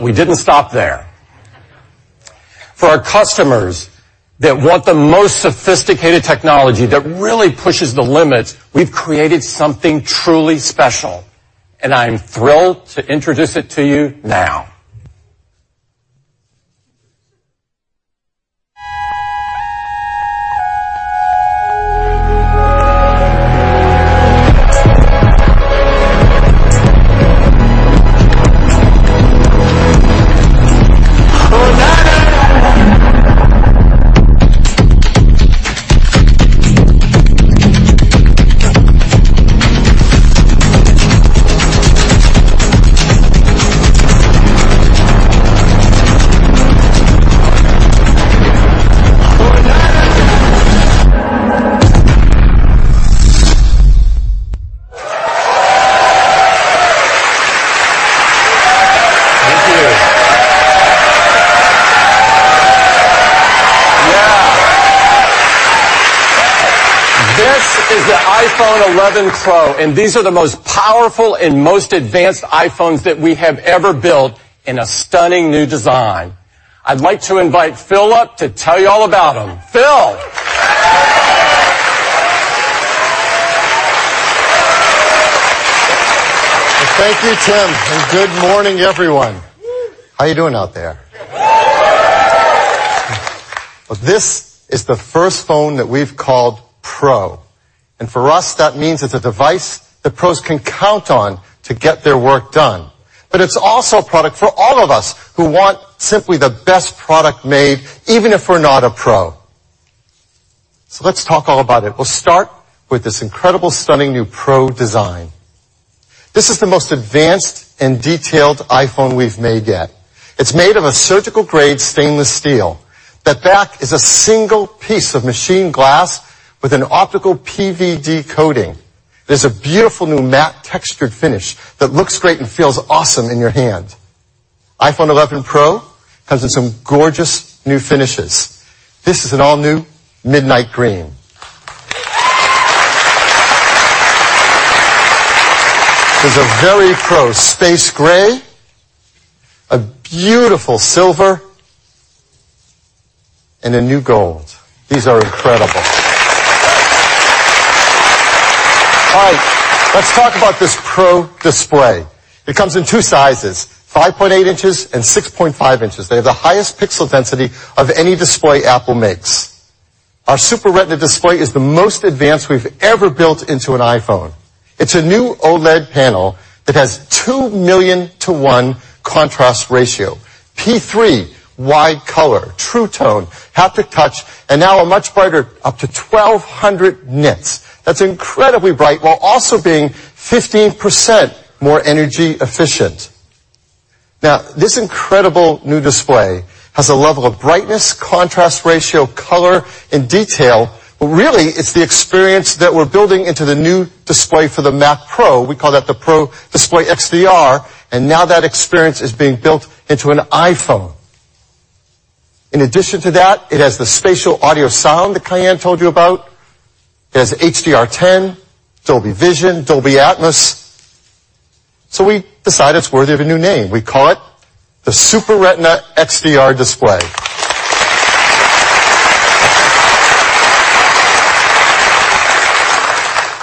We didn't stop there. For our customers that want the most sophisticated technology that really pushes the limits, we've created something truly special. I'm thrilled to introduce it to you now. Thank you. Yeah. This is the iPhone 11 Pro. These are the most powerful and most advanced iPhones that we have ever built in a stunning new design. I'd like to invite Phil up to tell you all about them. Phil. Thank you, Tim, and good morning, everyone. Whoo. How you doing out there? This is the first phone that we've called Pro. For us, that means it's a device that pros can count on to get their work done. It's also a product for all of us who want simply the best product made, even if we're not a pro. Let's talk all about it. We'll start with this incredible, stunning new Pro design. This is the most advanced and detailed iPhone we've made yet. It's made of a surgical-grade stainless steel. That back is a single piece of machined glass with an optical PVD coating. There's a beautiful new matte textured finish that looks great and feels awesome in your hand. iPhone 11 Pro comes in some gorgeous new finishes. This is an all-new midnight green. There's a very Pro space gray, a beautiful silver, and a new gold. These are incredible. All right. Let's talk about this Pro Display. It comes in two sizes, 5.8 inches and 6.5 inches. They have the highest pixel density of any display Apple makes. Our Super Retina display is the most advanced we've ever built into an iPhone. It's a new OLED panel that has 2,000,000 to 1 contrast ratio. P3 wide color, True Tone, Haptic Touch, and now a much brighter up to 1,200 nits. That's incredibly bright, while also being 15% more energy efficient. This incredible new display has a level of brightness, contrast ratio, color, and detail. Really it's the experience that we're building into the new display for the Mac Pro. We call that the Pro Display XDR, and now that experience is being built into an iPhone. In addition to that, it has the Spatial Audio sound that Kaiann told you about. It has HDR10, Dolby Vision, Dolby Atmos. We decided it's worthy of a new name. We call it the Super Retina XDR display.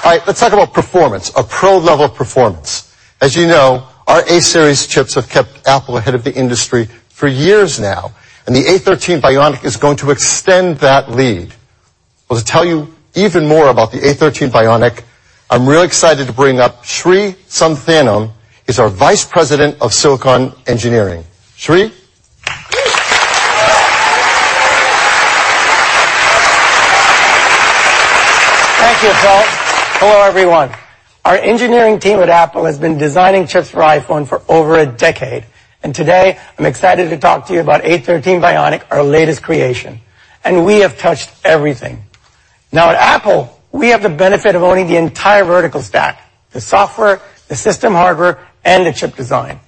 All right, let's talk about performance, a pro-level performance. As you know, our A series chips have kept Apple ahead of the industry for years now, and the A13 Bionic is going to extend that lead. Well, to tell you even more about the A13 Bionic, I'm real excited to bring up Sri Santhanam. He's our Vice President of Silicon Engineering. Sri. Thank you, Phil. Hello, everyone. Our engineering team at Apple has been designing chips for iPhone for over a decade. Today I'm excited to talk to you about A13 Bionic, our latest creation. We have touched everything. Now at Apple, we have the benefit of owning the entire vertical stack, the software, the system hardware, and the chip design.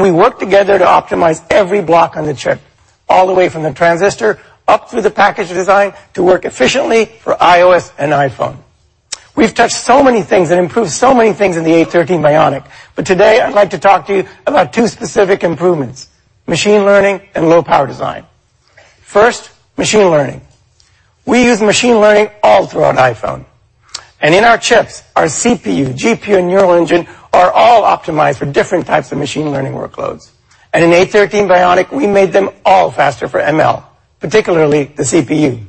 We work together to optimize every block on the chip, all the way from the transistor up through the package design to work efficiently for iOS and iPhone. We've touched so many things and improved so many things in the A13 Bionic. Today I'd like to talk to you about two specific improvements, machine learning and low power design. First, machine learning. We use machine learning all throughout iPhone and in our chips. Our CPU, GPU, and Neural Engine are all optimized for different types of machine learning workloads. In A13 Bionic, we made them all faster for ML, particularly the CPU.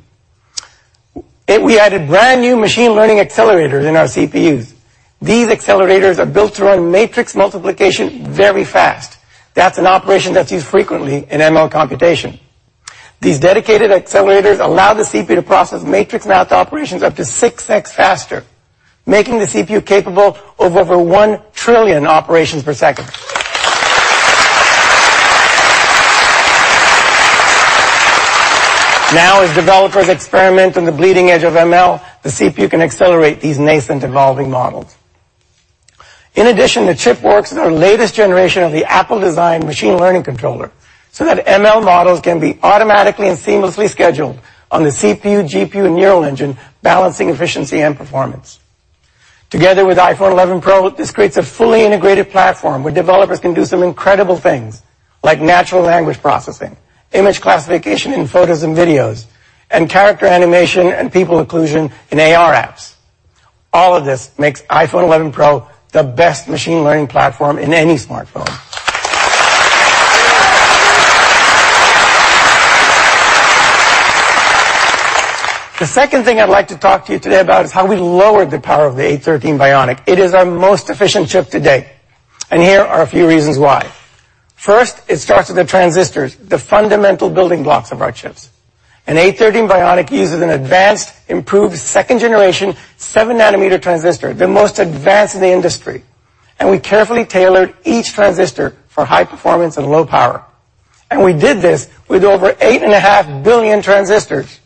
We added brand-new machine learning accelerators in our CPUs. These accelerators are built to run matrix multiplication very fast. That's an operation that's used frequently in ML computation. These dedicated accelerators allow the CPU to process matrix math operations up to 6x faster, making the CPU capable of over 1 trillion operations per second. Now, as developers experiment on the bleeding edge of ML, the CPU can accelerate these nascent evolving models. In addition, the chip works with our latest generation of the Apple-designed machine learning controller so that ML models can be automatically and seamlessly scheduled on the CPU, GPU, and Neural Engine, balancing efficiency and performance. Together with iPhone 11 Pro, this creates a fully integrated platform where developers can do some incredible things like natural language processing, image classification in photos and videos, and character animation and people occlusion in AR apps. All of this makes iPhone 11 Pro the best machine learning platform in any smartphone. The second thing I'd like to talk to you today about is how we lowered the power of the A13 Bionic. It is our most efficient chip to date. Here are a few reasons why. First, it starts with the transistors, the fundamental building blocks of our chips. An A13 Bionic uses an advanced, improved second generation 7 nanometer transistor, the most advanced in the industry, and we carefully tailored each transistor for high performance and low power. We did this with over 8.5 billion transistors.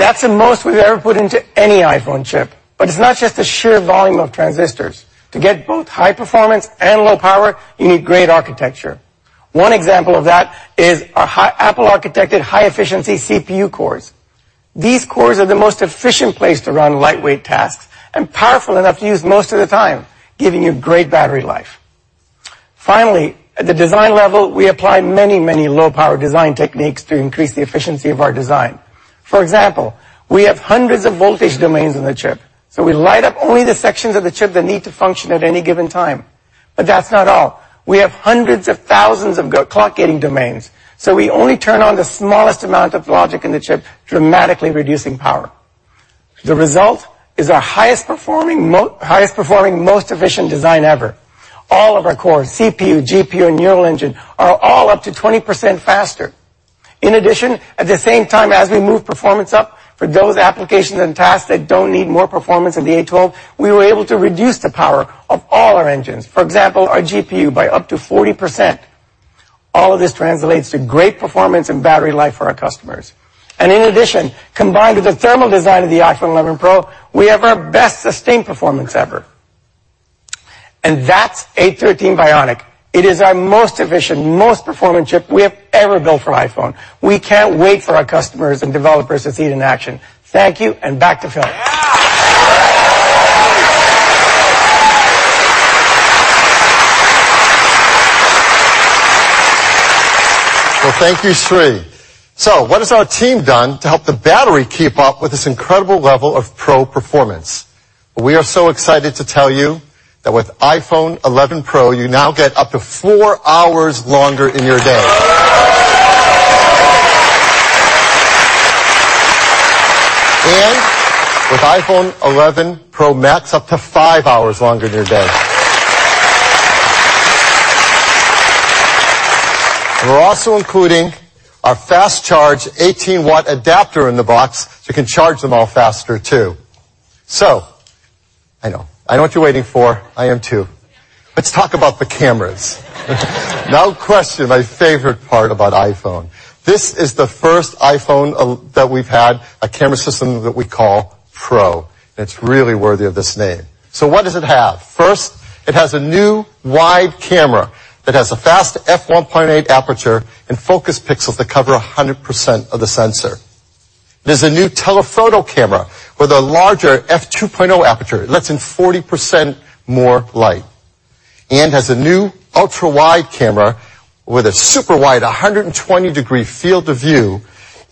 That's the most we've ever put into any iPhone chip. It's not just the sheer volume of transistors. To get both high performance and low power, you need great architecture. One example of that is our Apple architected high efficiency CPU cores. These cores are the most efficient place to run lightweight tasks and powerful enough to use most of the time, giving you great battery life. Finally, at the design level, we apply many, many low power design techniques to increase the efficiency of our design. For example, we have hundreds of voltage domains in the chip, so we light up only the sections of the chip that need to function at any given time. That's not all. We have hundreds of thousands of clock gating domains, so we only turn on the smallest amount of logic in the chip, dramatically reducing power. The result is our highest performing, most efficient design ever. All of our cores, CPU, GPU, and Neural Engine, are all up to 20% faster. At the same time as we move performance up for those applications and tasks that don't need more performance in the A12, we were able to reduce the power of all our engines, for example, our GPU, by up to 40%. All of this translates to great performance and battery life for our customers. Combined with the thermal design of the iPhone 11 Pro, we have our best sustained performance ever. That's A13 Bionic. It is our most efficient, most performant chip we have ever built for iPhone. We can't wait for our customers and developers to see it in action. Thank you, and back to Phil. Well, thank you, Sri. What has our team done to help the battery keep up with this incredible level of Pro performance? We are so excited to tell you that with iPhone 11 Pro, you now get up to four hours longer in your day. With iPhone 11 Pro Max, up to five hours longer in your day. We're also including our fast-charge 18-watt adapter in the box, you can charge them all faster, too. I know. I know what you're waiting for. I am, too. Let's talk about the cameras. Question, my favorite part about iPhone. This is the first iPhone that we've had a camera system that we call Pro. It's really worthy of this name. What does it have? It has a new Wide camera that has a fast f/1.8 aperture and focus pixels that cover 100% of the sensor. There's a new Telephoto camera with a larger f/2.0 aperture. It lets in 40% more light and has a new Ultra Wide camera with a super wide 120-degree field of view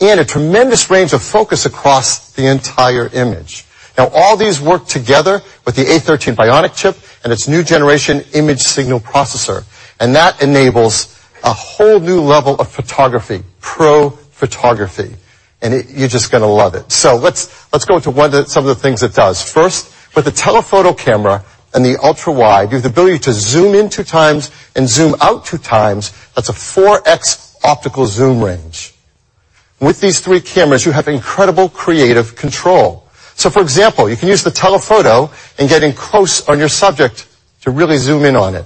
and a tremendous range of focus across the entire image. All these work together with the A13 Bionic chip and its new generation image signal processor, and that enables a whole new level of photography, Pro photography, and you're just going to love it. Let's go into some of the things it does. With the Telephoto camera and the Ultra Wide, you have the ability to zoom in two times and zoom out two times. That's a 4X optical zoom range. With these three cameras, you have incredible creative control. For example, you can use the Telephoto and get in close on your subject to really zoom in on it.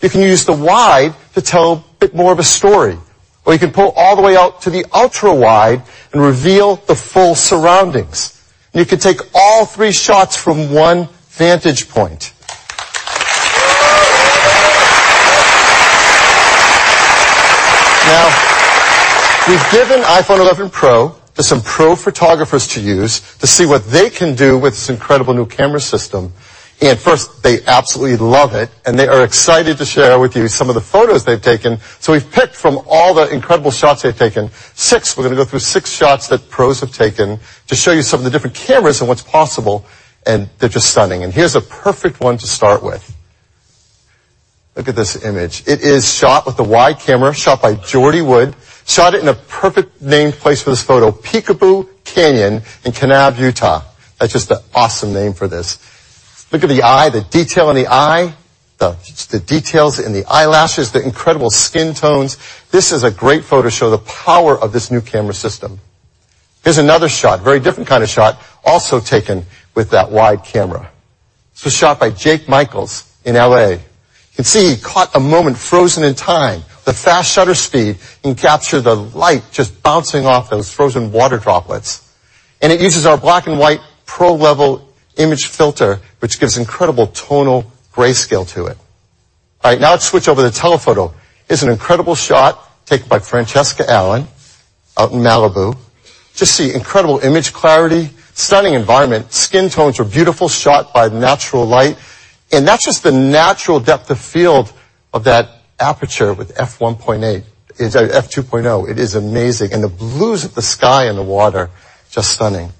You can use the Wide to tell a bit more of a story, or you can pull all the way out to the Ultra Wide and reveal the full surroundings. You can take all three shots from one vantage point. We've given iPhone 11 Pro to some Pro photographers to use to see what they can do with this incredible new camera system. First, they absolutely love it, and they are excited to share with you some of the photos they've taken. We've picked from all the incredible shots they've taken, six. We're going to go through six shots that pros have taken to show you some of the different cameras and what's possible, and they're just stunning. Here's a perfect one to start with. Look at this image. It is shot with the Wide camera, shot by Jordy Wood. Shot it in a perfect named place for this photo, Peekaboo Canyon in Kanab, Utah. That's just an awesome name for this. Look at the eye, the detail in the eye, the details in the eyelashes, the incredible skin tones. This is a great photo to show the power of this new camera system. Here's another shot, very different kind of shot, also taken with that Wide camera. This was shot by Jake Michaels in L.A. You can see he caught a moment frozen in time. The fast shutter speed can capture the light just bouncing off those frozen water droplets. It uses our black and white pro-level image filter, which gives incredible tonal grayscale to it. All right, now let's switch over to the Telephoto. This is an incredible shot taken by Francesca Allen out in Malibu. Just see incredible image clarity, stunning environment. Skin tones are beautiful, shot by natural light, that's just the natural depth of field of that aperture with f/2.0. It is amazing. The blues of the sky and the water, just stunning.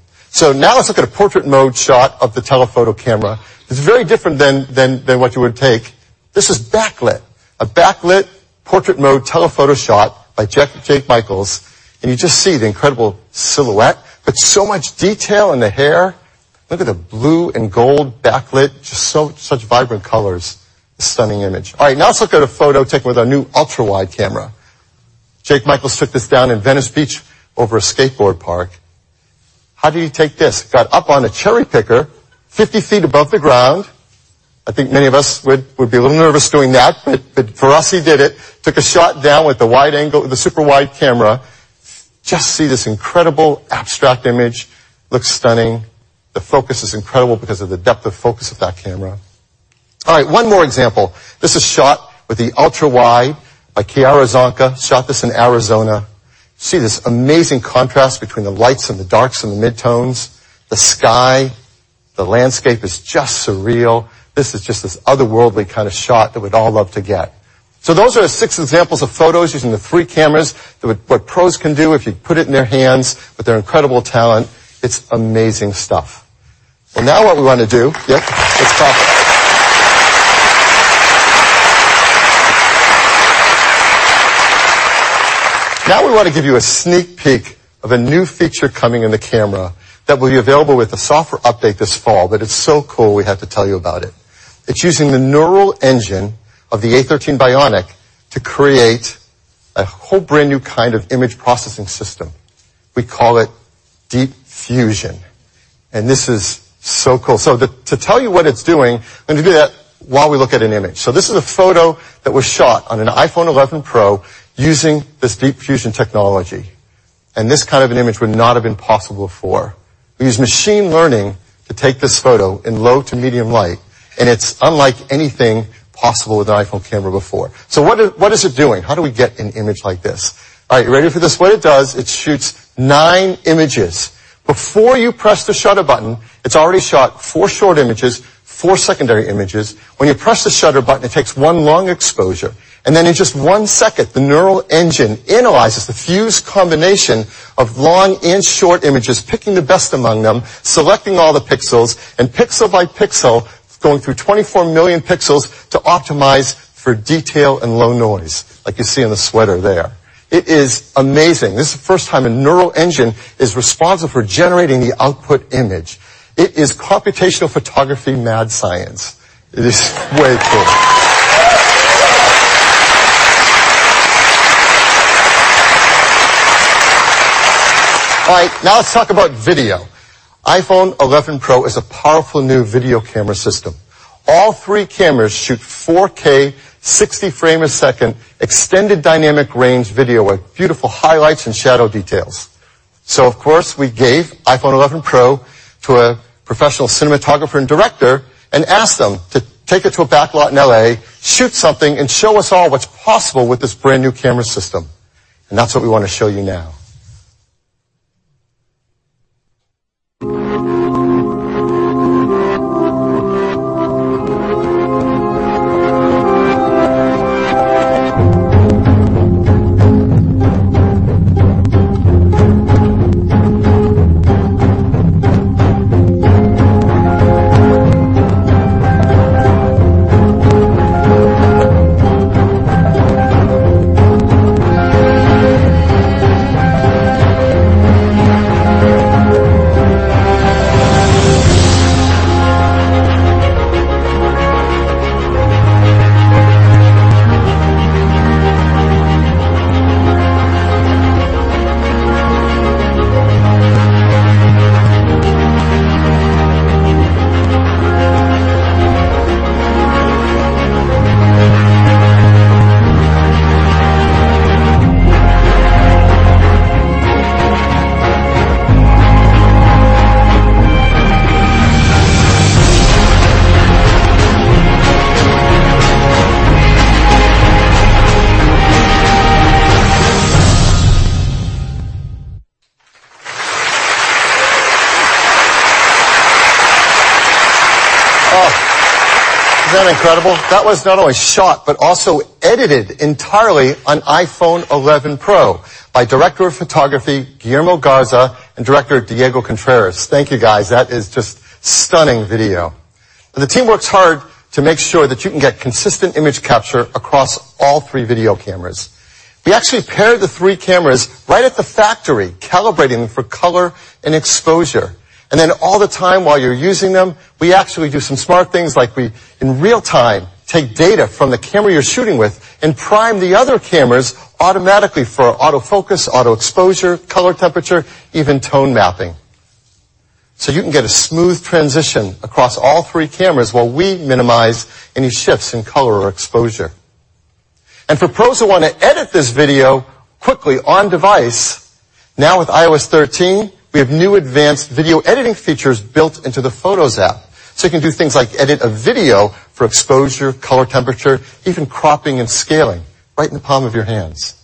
Now let's look at a Portrait mode shot of the Telephoto camera. This is very different than what you would take. This is backlit, a backlit Portrait mode Telephoto shot by Jake Michaels, you just see the incredible silhouette, so much detail in the hair. Look at the blue and gold backlit, just such vibrant colors. A stunning image. All right. Now let's look at a photo taken with our new Ultra Wide camera. Jake Michaels took this down in Venice Beach over a skateboard park. How do you take this? Got up on a cherry picker 50 feet above the ground. I think many of us would be a little nervous doing that. For us, he did it. Took a shot down with the wide angle, the Super Wide camera. See this incredible abstract image. Looks stunning. The focus is incredible because of the depth of focus of that camera. All right, one more example. This is shot with the Ultra Wide by Chiara Zanca. Shot this in Arizona. See this amazing contrast between the lights and the darks and the mid-tones, the sky. The landscape is just surreal. This is just this otherworldly kind of shot that we'd all love to get. Those are six examples of photos using the three cameras, what pros can do if you put it in their hands with their incredible talent. It's amazing stuff. Well, now we want to give you a sneak peek of a new feature coming in the camera that will be available with a software update this fall. It's so cool we had to tell you about it. It's using the neural engine of the A13 Bionic to create a whole brand new kind of image processing system. We call it Deep Fusion. This is so cool. To tell you what it's doing, I'm going to do that while we look at an image. This is a photo that was shot on an iPhone 11 Pro using this Deep Fusion technology. This kind of an image would not have been possible before. We used machine learning to take this photo in low to medium light. It's unlike anything possible with an iPhone camera before. What is it doing? How do we get an image like this? All right, you ready for this? What it does, it shoots nine images. Before you press the shutter button, it's already shot four short images, four secondary images. When you press the shutter button, it takes one long exposure, and then in just one second, the Neural Engine analyzes the fused combination of long and short images, picking the best among them, selecting all the pixels, and pixel by pixel, it's going through 24 million pixels to optimize for detail and low noise, like you see on the sweater there. It is amazing. This is the first time a Neural Engine is responsible for generating the output image. It is computational photography mad science. It is way cool. All right, now let's talk about video. iPhone 11 Pro is a powerful new video camera system. All three cameras shoot 4K, 60 frame a second, extended dynamic range video with beautiful highlights and shadow details. Of course, we gave iPhone 11 Pro to a professional cinematographer and director and asked them to take it to a backlot in L.A., shoot something, and show us all what's possible with this brand-new camera system. That's what we want to show you now. Oh. Isn't that incredible? That was not only shot but also edited entirely on iPhone 11 Pro by Director of Photography, Guillermo Garza, and director, Diego Contreras. Thank you, guys. That is just stunning video. The team works hard to make sure that you can get consistent image capture across all three video cameras. We actually pair the three cameras right at the factory, calibrating them for color and exposure. Then all the time while you're using them, we actually do some smart things, like we, in real-time, take data from the camera you're shooting with and prime the other cameras automatically for autofocus, auto exposure, color temperature, even tone mapping. You can get a smooth transition across all three cameras while we minimize any shifts in color or exposure. For pros who want to edit this video quickly on device, now with iOS 13, we have new advanced video editing features built into the Photos app. You can do things like edit a video for exposure, color temperature, even cropping and scaling right in the palm of your hands.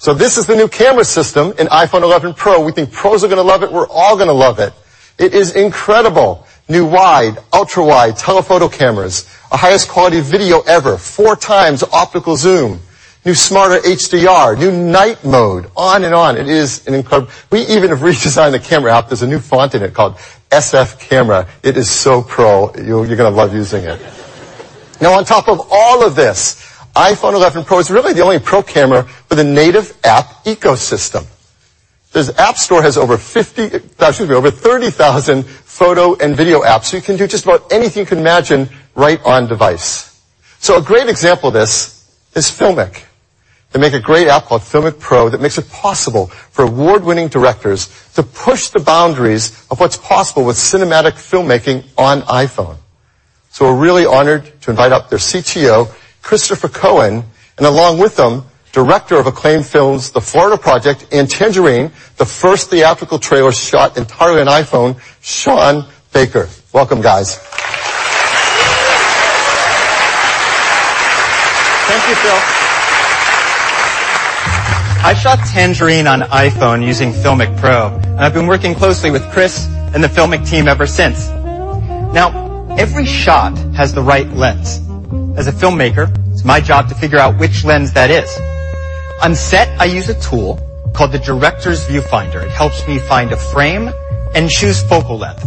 This is the new camera system in iPhone 11 Pro. We think pros are going to love it. We're all going to love it. It is incredible. New wide, ultra wide, telephoto cameras. Our highest quality video ever. Four times optical zoom. New smarter HDR, new Night Mode, on and on. We even have redesigned the camera app. There's a new font in it called SF Camera. It is so pro. You're going to love using it. On top of all of this, iPhone 11 Pro is really the only pro camera with a native app ecosystem. The App Store has over 50, excuse me, over 30,000 photo and video apps, so you can do just about anything you can imagine right on device. A great example of this is FiLMiC. They make a great app called FiLMiC Pro that makes it possible for award-winning directors to push the boundaries of what's possible with cinematic filmmaking on iPhone. We're really honored to invite up their CTO, Christopher Cohen, and along with him, director of acclaimed films, "The Florida Project" and "Tangerine," the first theatrical trailer shot entirely on iPhone, Sean Baker. Welcome, guys. Thank you, Phil. I shot Tangerine on iPhone using FiLMiC Pro, and I've been working closely with Chris and the FiLMiC team ever since. Every shot has the right lens. As a filmmaker, it's my job to figure out which lens that is. On set, I use a tool called the Director's Viewfinder. It helps me find a frame and choose focal length.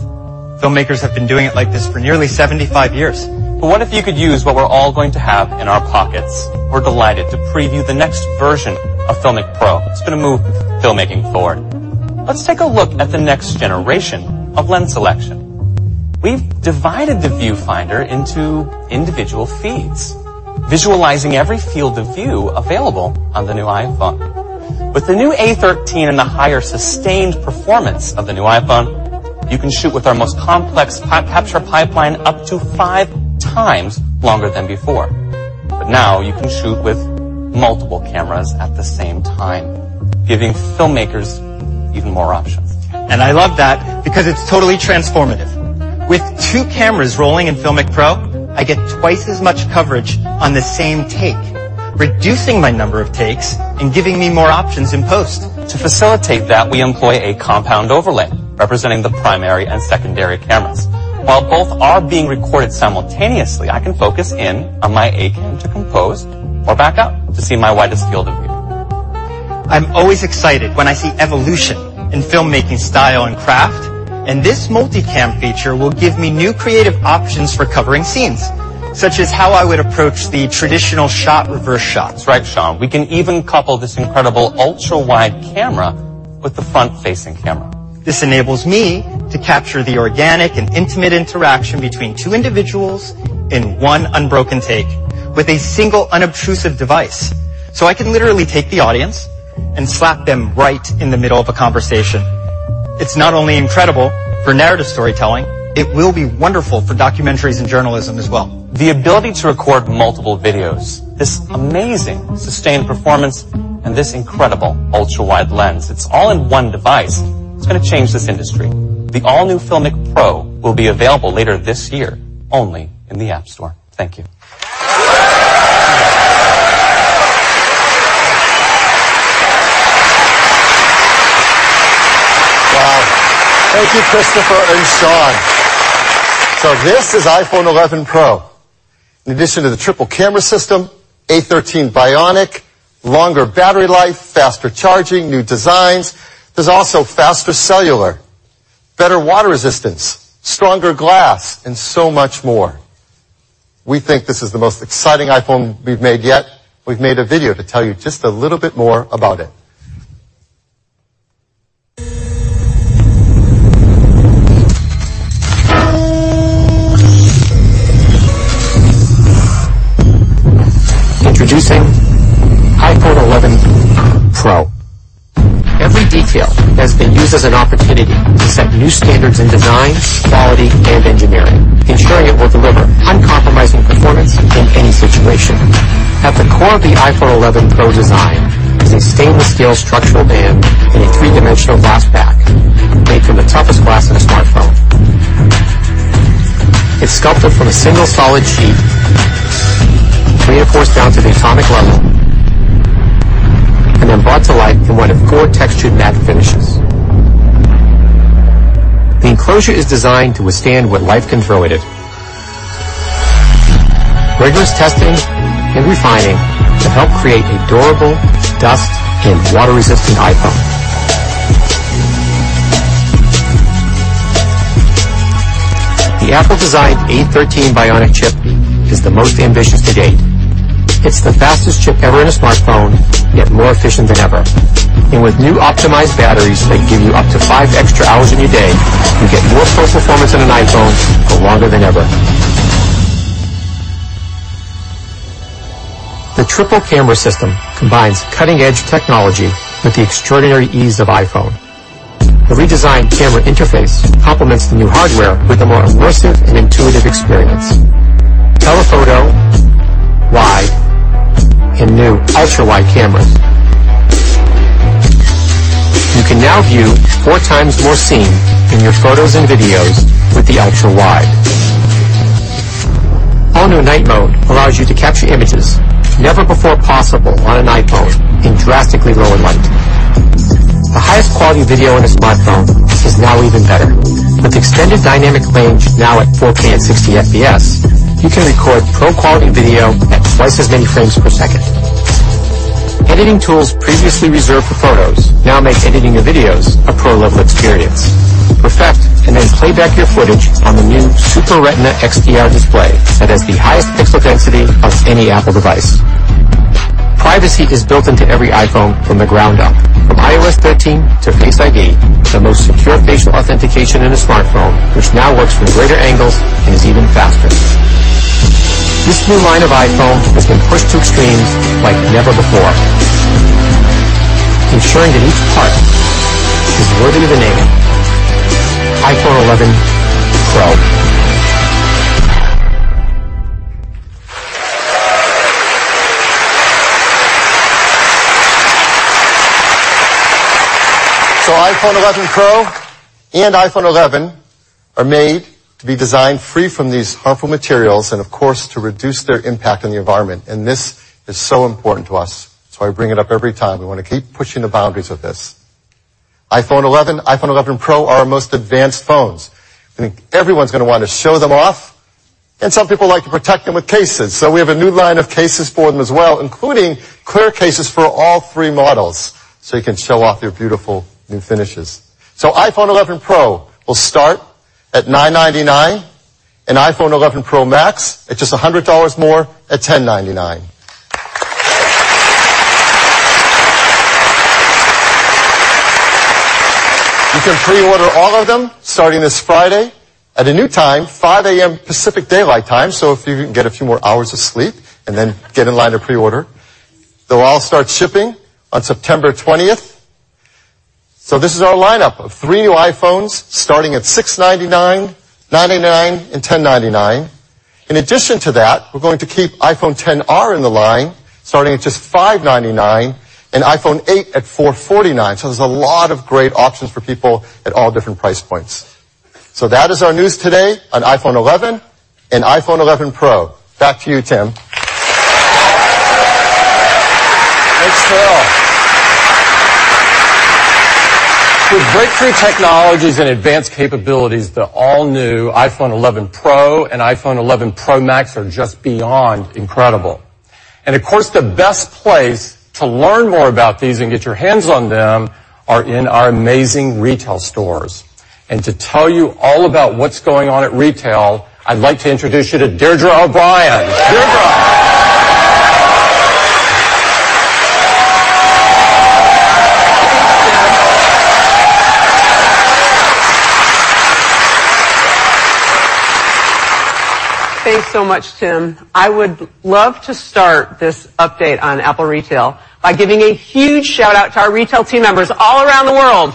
Filmmakers have been doing it like this for nearly 75 years. What if you could use what we're all going to have in our pockets? We're delighted to preview the next version of FiLMiC Pro. It's going to move filmmaking forward. Let's take a look at the next generation of lens selection. We've divided the viewfinder into individual feeds, visualizing every field of view available on the new iPhone. With the new A13 and the higher sustained performance of the new iPhone, you can shoot with our most complex capture pipeline up to five times longer than before. Now, you can shoot with multiple cameras at the same time, giving filmmakers even more options. I love that because it's totally transformative. With two cameras rolling in FiLMiC Pro, I get twice as much coverage on the same take, reducing my number of takes and giving me more options in post. To facilitate that, we employ a compound overlay representing the primary and secondary cameras. While both are being recorded simultaneously, I can focus in on my A cam to compose or back out to see my widest field of view. I'm always excited when I see evolution in filmmaking style and craft. This multi-cam feature will give me new creative options for covering scenes, such as how I would approach the traditional shot-reverse shots. That's right, Sean. We can even couple this incredible ultra-wide camera with the front-facing camera. This enables me to capture the organic and intimate interaction between two individuals in one unbroken take with a single unobtrusive device. I can literally take the audience and slap them right in the middle of a conversation. It's not only incredible for narrative storytelling, it will be wonderful for documentaries and journalism as well. The ability to record multiple videos, this amazing sustained performance, and this incredible ultra-wide lens. It's all in one device. It's going to change this industry. The all-new FiLMiC Pro will be available later this year only in the App Store. Thank you. Wow. Thank you, Christopher and Sean. This is iPhone 11 Pro. In addition to the triple camera system, A13 Bionic, longer battery life, faster charging, new designs, there's also faster cellular, better water resistance, stronger glass, and so much more. We think this is the most exciting iPhone we've made yet. We've made a video to tell you just a little bit more about it. Introducing iPhone 11 Pro. Every detail has been used as an opportunity to set new standards in design, quality, and engineering, ensuring it will deliver uncompromising performance in any situation. At the core of the iPhone 11 Pro design is a stainless steel structural band and a three-dimensional glass back made from the toughest glass in a smartphone. It's sculpted from a single solid sheet, reinforced down to the atomic level, and then brought to life in one of four textured matte finishes. The enclosure is designed to withstand what life can throw at it. Rigorous testing and refining have helped create a durable, dust, and water-resistant iPhone. The Apple-designed A13 Bionic chip is the most ambitious to date. It's the fastest chip ever in a smartphone, yet more efficient than ever. With new optimized batteries that give you up to five extra hours in your day, you get more pro performance in an iPhone for longer than ever. The triple camera system combines cutting-edge technology with the extraordinary ease of iPhone. The redesigned camera interface complements the new hardware with a more immersive and intuitive experience. Telephoto, wide, and new ultra-wide cameras. You can now view four times more scene in your photos and videos with the ultra-wide. All-new Night mode allows you to capture images never before possible on an iPhone in drastically lower light. The highest quality video in a smartphone is now even better. With extended dynamic range now at 4K and 60fps, you can record pro-quality video at twice as many frames per second. Editing tools previously reserved for photos now make editing your videos a pro-level experience. Play back your footage on the new Super Retina XDR display that has the highest pixel density of any Apple device. Privacy is built into every iPhone from the ground up, from iOS 13 to Face ID, the most secure facial authentication in a smartphone, which now works from greater angles and is even faster. This new line of iPhone has been pushed to extremes like never before, ensuring that each part is worthy of the name iPhone 11 Pro. iPhone 11 Pro and iPhone 11 are made to be designed free from these harmful materials and, of course, to reduce their impact on the environment. This is so important to us, so I bring it up every time. We want to keep pushing the boundaries with this. iPhone 11, iPhone 11 Pro are our most advanced phones, and everyone's going to want to show them off, and some people like to protect them with cases. We have a new line of cases for them as well, including clear cases for all three models, so you can show off your beautiful new finishes. iPhone 11 Pro will start at $999 and iPhone 11 Pro Max at just $100 more, at $1,099. You can pre-order all of them starting this Friday at a new time, 5:00 A.M. Pacific Daylight Time, if you can get a few more hours of sleep and then get in line to pre-order. They'll all start shipping on September 20th. This is our lineup of three new iPhones starting at $699, $999 and $1,099. In addition to that, we're going to keep iPhone XR in the line, starting at just $599 and iPhone 8 at $449. There's a lot of great options for people at all different price points. That is our news today on iPhone 11 and iPhone 11 Pro. Back to you, Tim. Thanks, Phil. With breakthrough technologies and advanced capabilities, the all-new iPhone 11 Pro and iPhone 11 Pro Max are just beyond incredible. Of course, the best place to learn more about these and get your hands on them are in our amazing retail stores. To tell you all about what's going on at retail, I'd like to introduce you to Deirdre O'Brien. Deirdre. Thanks, Tim. Thanks so much, Tim. I would love to start this update on Apple Retail by giving a huge shout-out to our retail team members all around the world.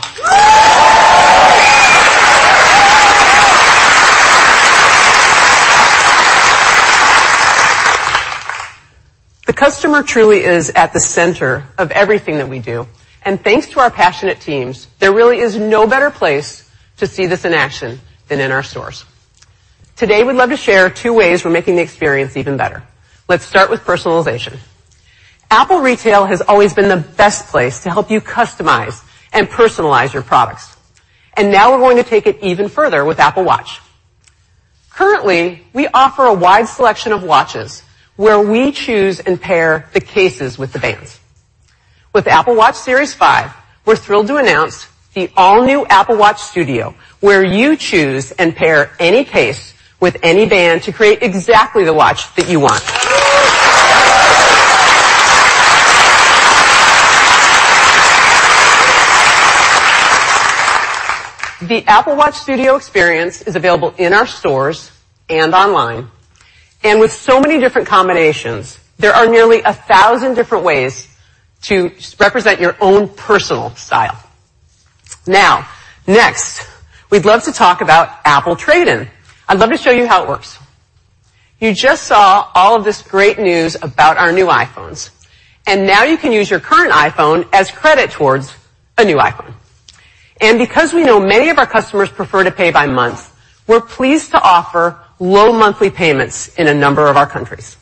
The customer truly is at the center of everything that we do, and thanks to our passionate teams, there really is no better place to see this in action than in our stores. Today, we'd love to share two ways we're making the experience even better. Let's start with personalization. Apple Retail has always been the best place to help you customize and personalize your products. Now we're going to take it even further with Apple Watch. Currently, we offer a wide selection of watches where we choose and pair the cases with the bands. With Apple Watch Series 5, we're thrilled to announce the all-new Apple Watch Studio, where you choose and pair any case with any band to create exactly the watch that you want. The Apple Watch Studio experience is available in our stores and online. With so many different combinations, there are nearly 1,000 different ways to represent your own personal style. Now, next, we'd love to talk about Apple Trade In. I'd love to show you how it works. You just saw all of this great news about our new iPhones, and now you can use your current iPhone as credit towards a new iPhone. Because we know many of our customers prefer to pay by month, we're pleased to offer low monthly payments in a number of our countries.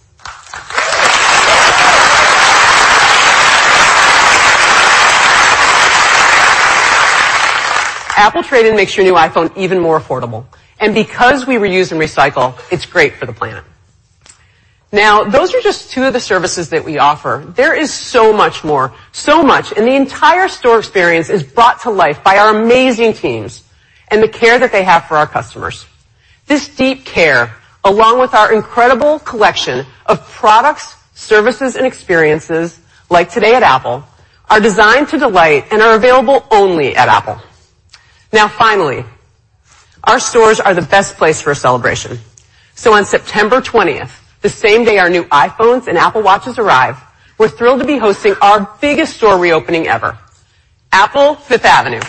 Apple Trade In makes your new iPhone even more affordable. Because we reuse and recycle, it's great for the planet. Now, those are just two of the services that we offer. There is so much more, so much, and the entire store experience is brought to life by our amazing teams and the care that they have for our customers. This deep care, along with our incredible collection of products, services, and experiences, like Today at Apple, are designed to delight and are available only at Apple. Now finally, our stores are the best place for a celebration. On September 20th, the same day our new iPhones and Apple Watches arrive, we're thrilled to be hosting our biggest store reopening ever, Apple Fifth Avenue.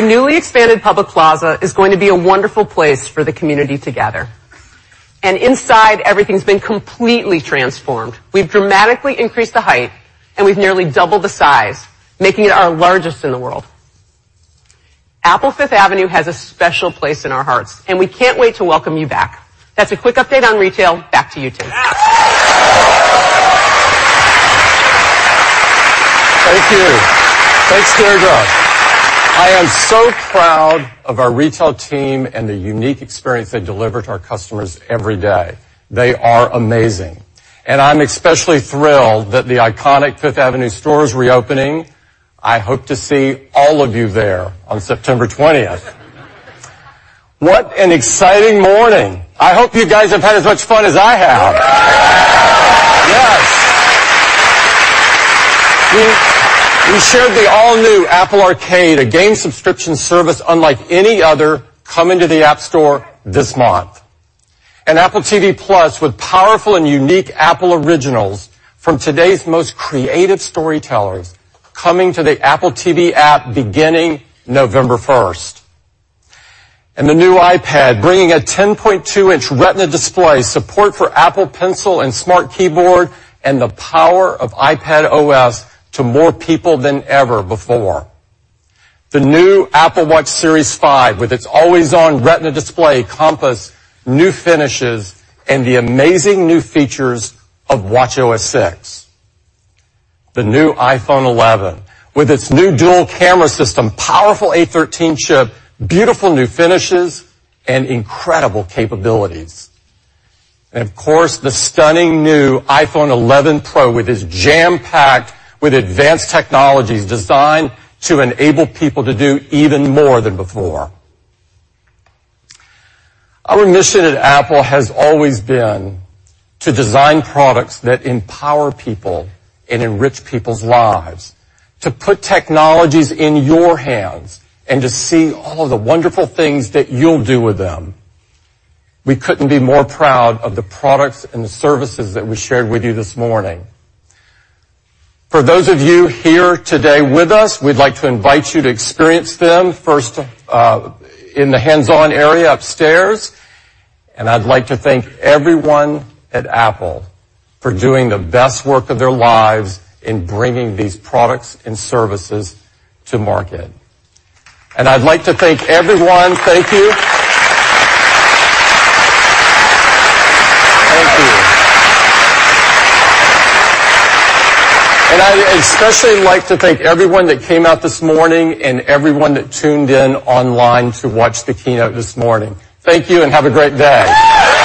The newly expanded public plaza is going to be a wonderful place for the community to gather. Inside, everything's been completely transformed. We've dramatically increased the height, we've nearly doubled the size, making it our largest in the world. Apple Fifth Avenue has a special place in our hearts, we can't wait to welcome you back. That's a quick update on retail. Back to you, Tim. Thank you. Thanks, Deirdre. I am so proud of our retail team and the unique experience they deliver to our customers every day. They are amazing. I'm especially thrilled that the iconic Fifth Avenue store is reopening. I hope to see all of you there on September 20th. What an exciting morning. I hope you guys have had as much fun as I have. Yes. We shared the all-new Apple Arcade, a game subscription service unlike any other, coming to the App Store this month. Apple TV+ with powerful and unique Apple Originals from today's most creative storytellers, coming to the Apple TV app beginning November 1st. The new iPad, bringing a 10.2-inch Retina display, support for Apple Pencil and Smart Keyboard, and the power of iPadOS to more people than ever before. The new Apple Watch Series 5, with its always-on Retina display, compass, new finishes, and the amazing new features of watchOS 6. The new iPhone 11, with its new dual-camera system, powerful A13 chip, beautiful new finishes, and incredible capabilities. Of course, the stunning new iPhone 11 Pro with its jam-packed with advanced technologies designed to enable people to do even more than before. Our mission at Apple has always been to design products that empower people and enrich people's lives, to put technologies in your hands and to see all of the wonderful things that you'll do with them. We couldn't be more proud of the products and the services that we shared with you this morning. For those of you here today with us, we'd like to invite you to experience them first, in the hands-on area upstairs. I'd like to thank everyone at Apple for doing the best work of their lives in bringing these products and services to market. I'd like to thank everyone. Thank you. Thank you. I'd especially like to thank everyone that came out this morning and everyone that tuned in online to watch the keynote this morning. Thank you, and have a great day.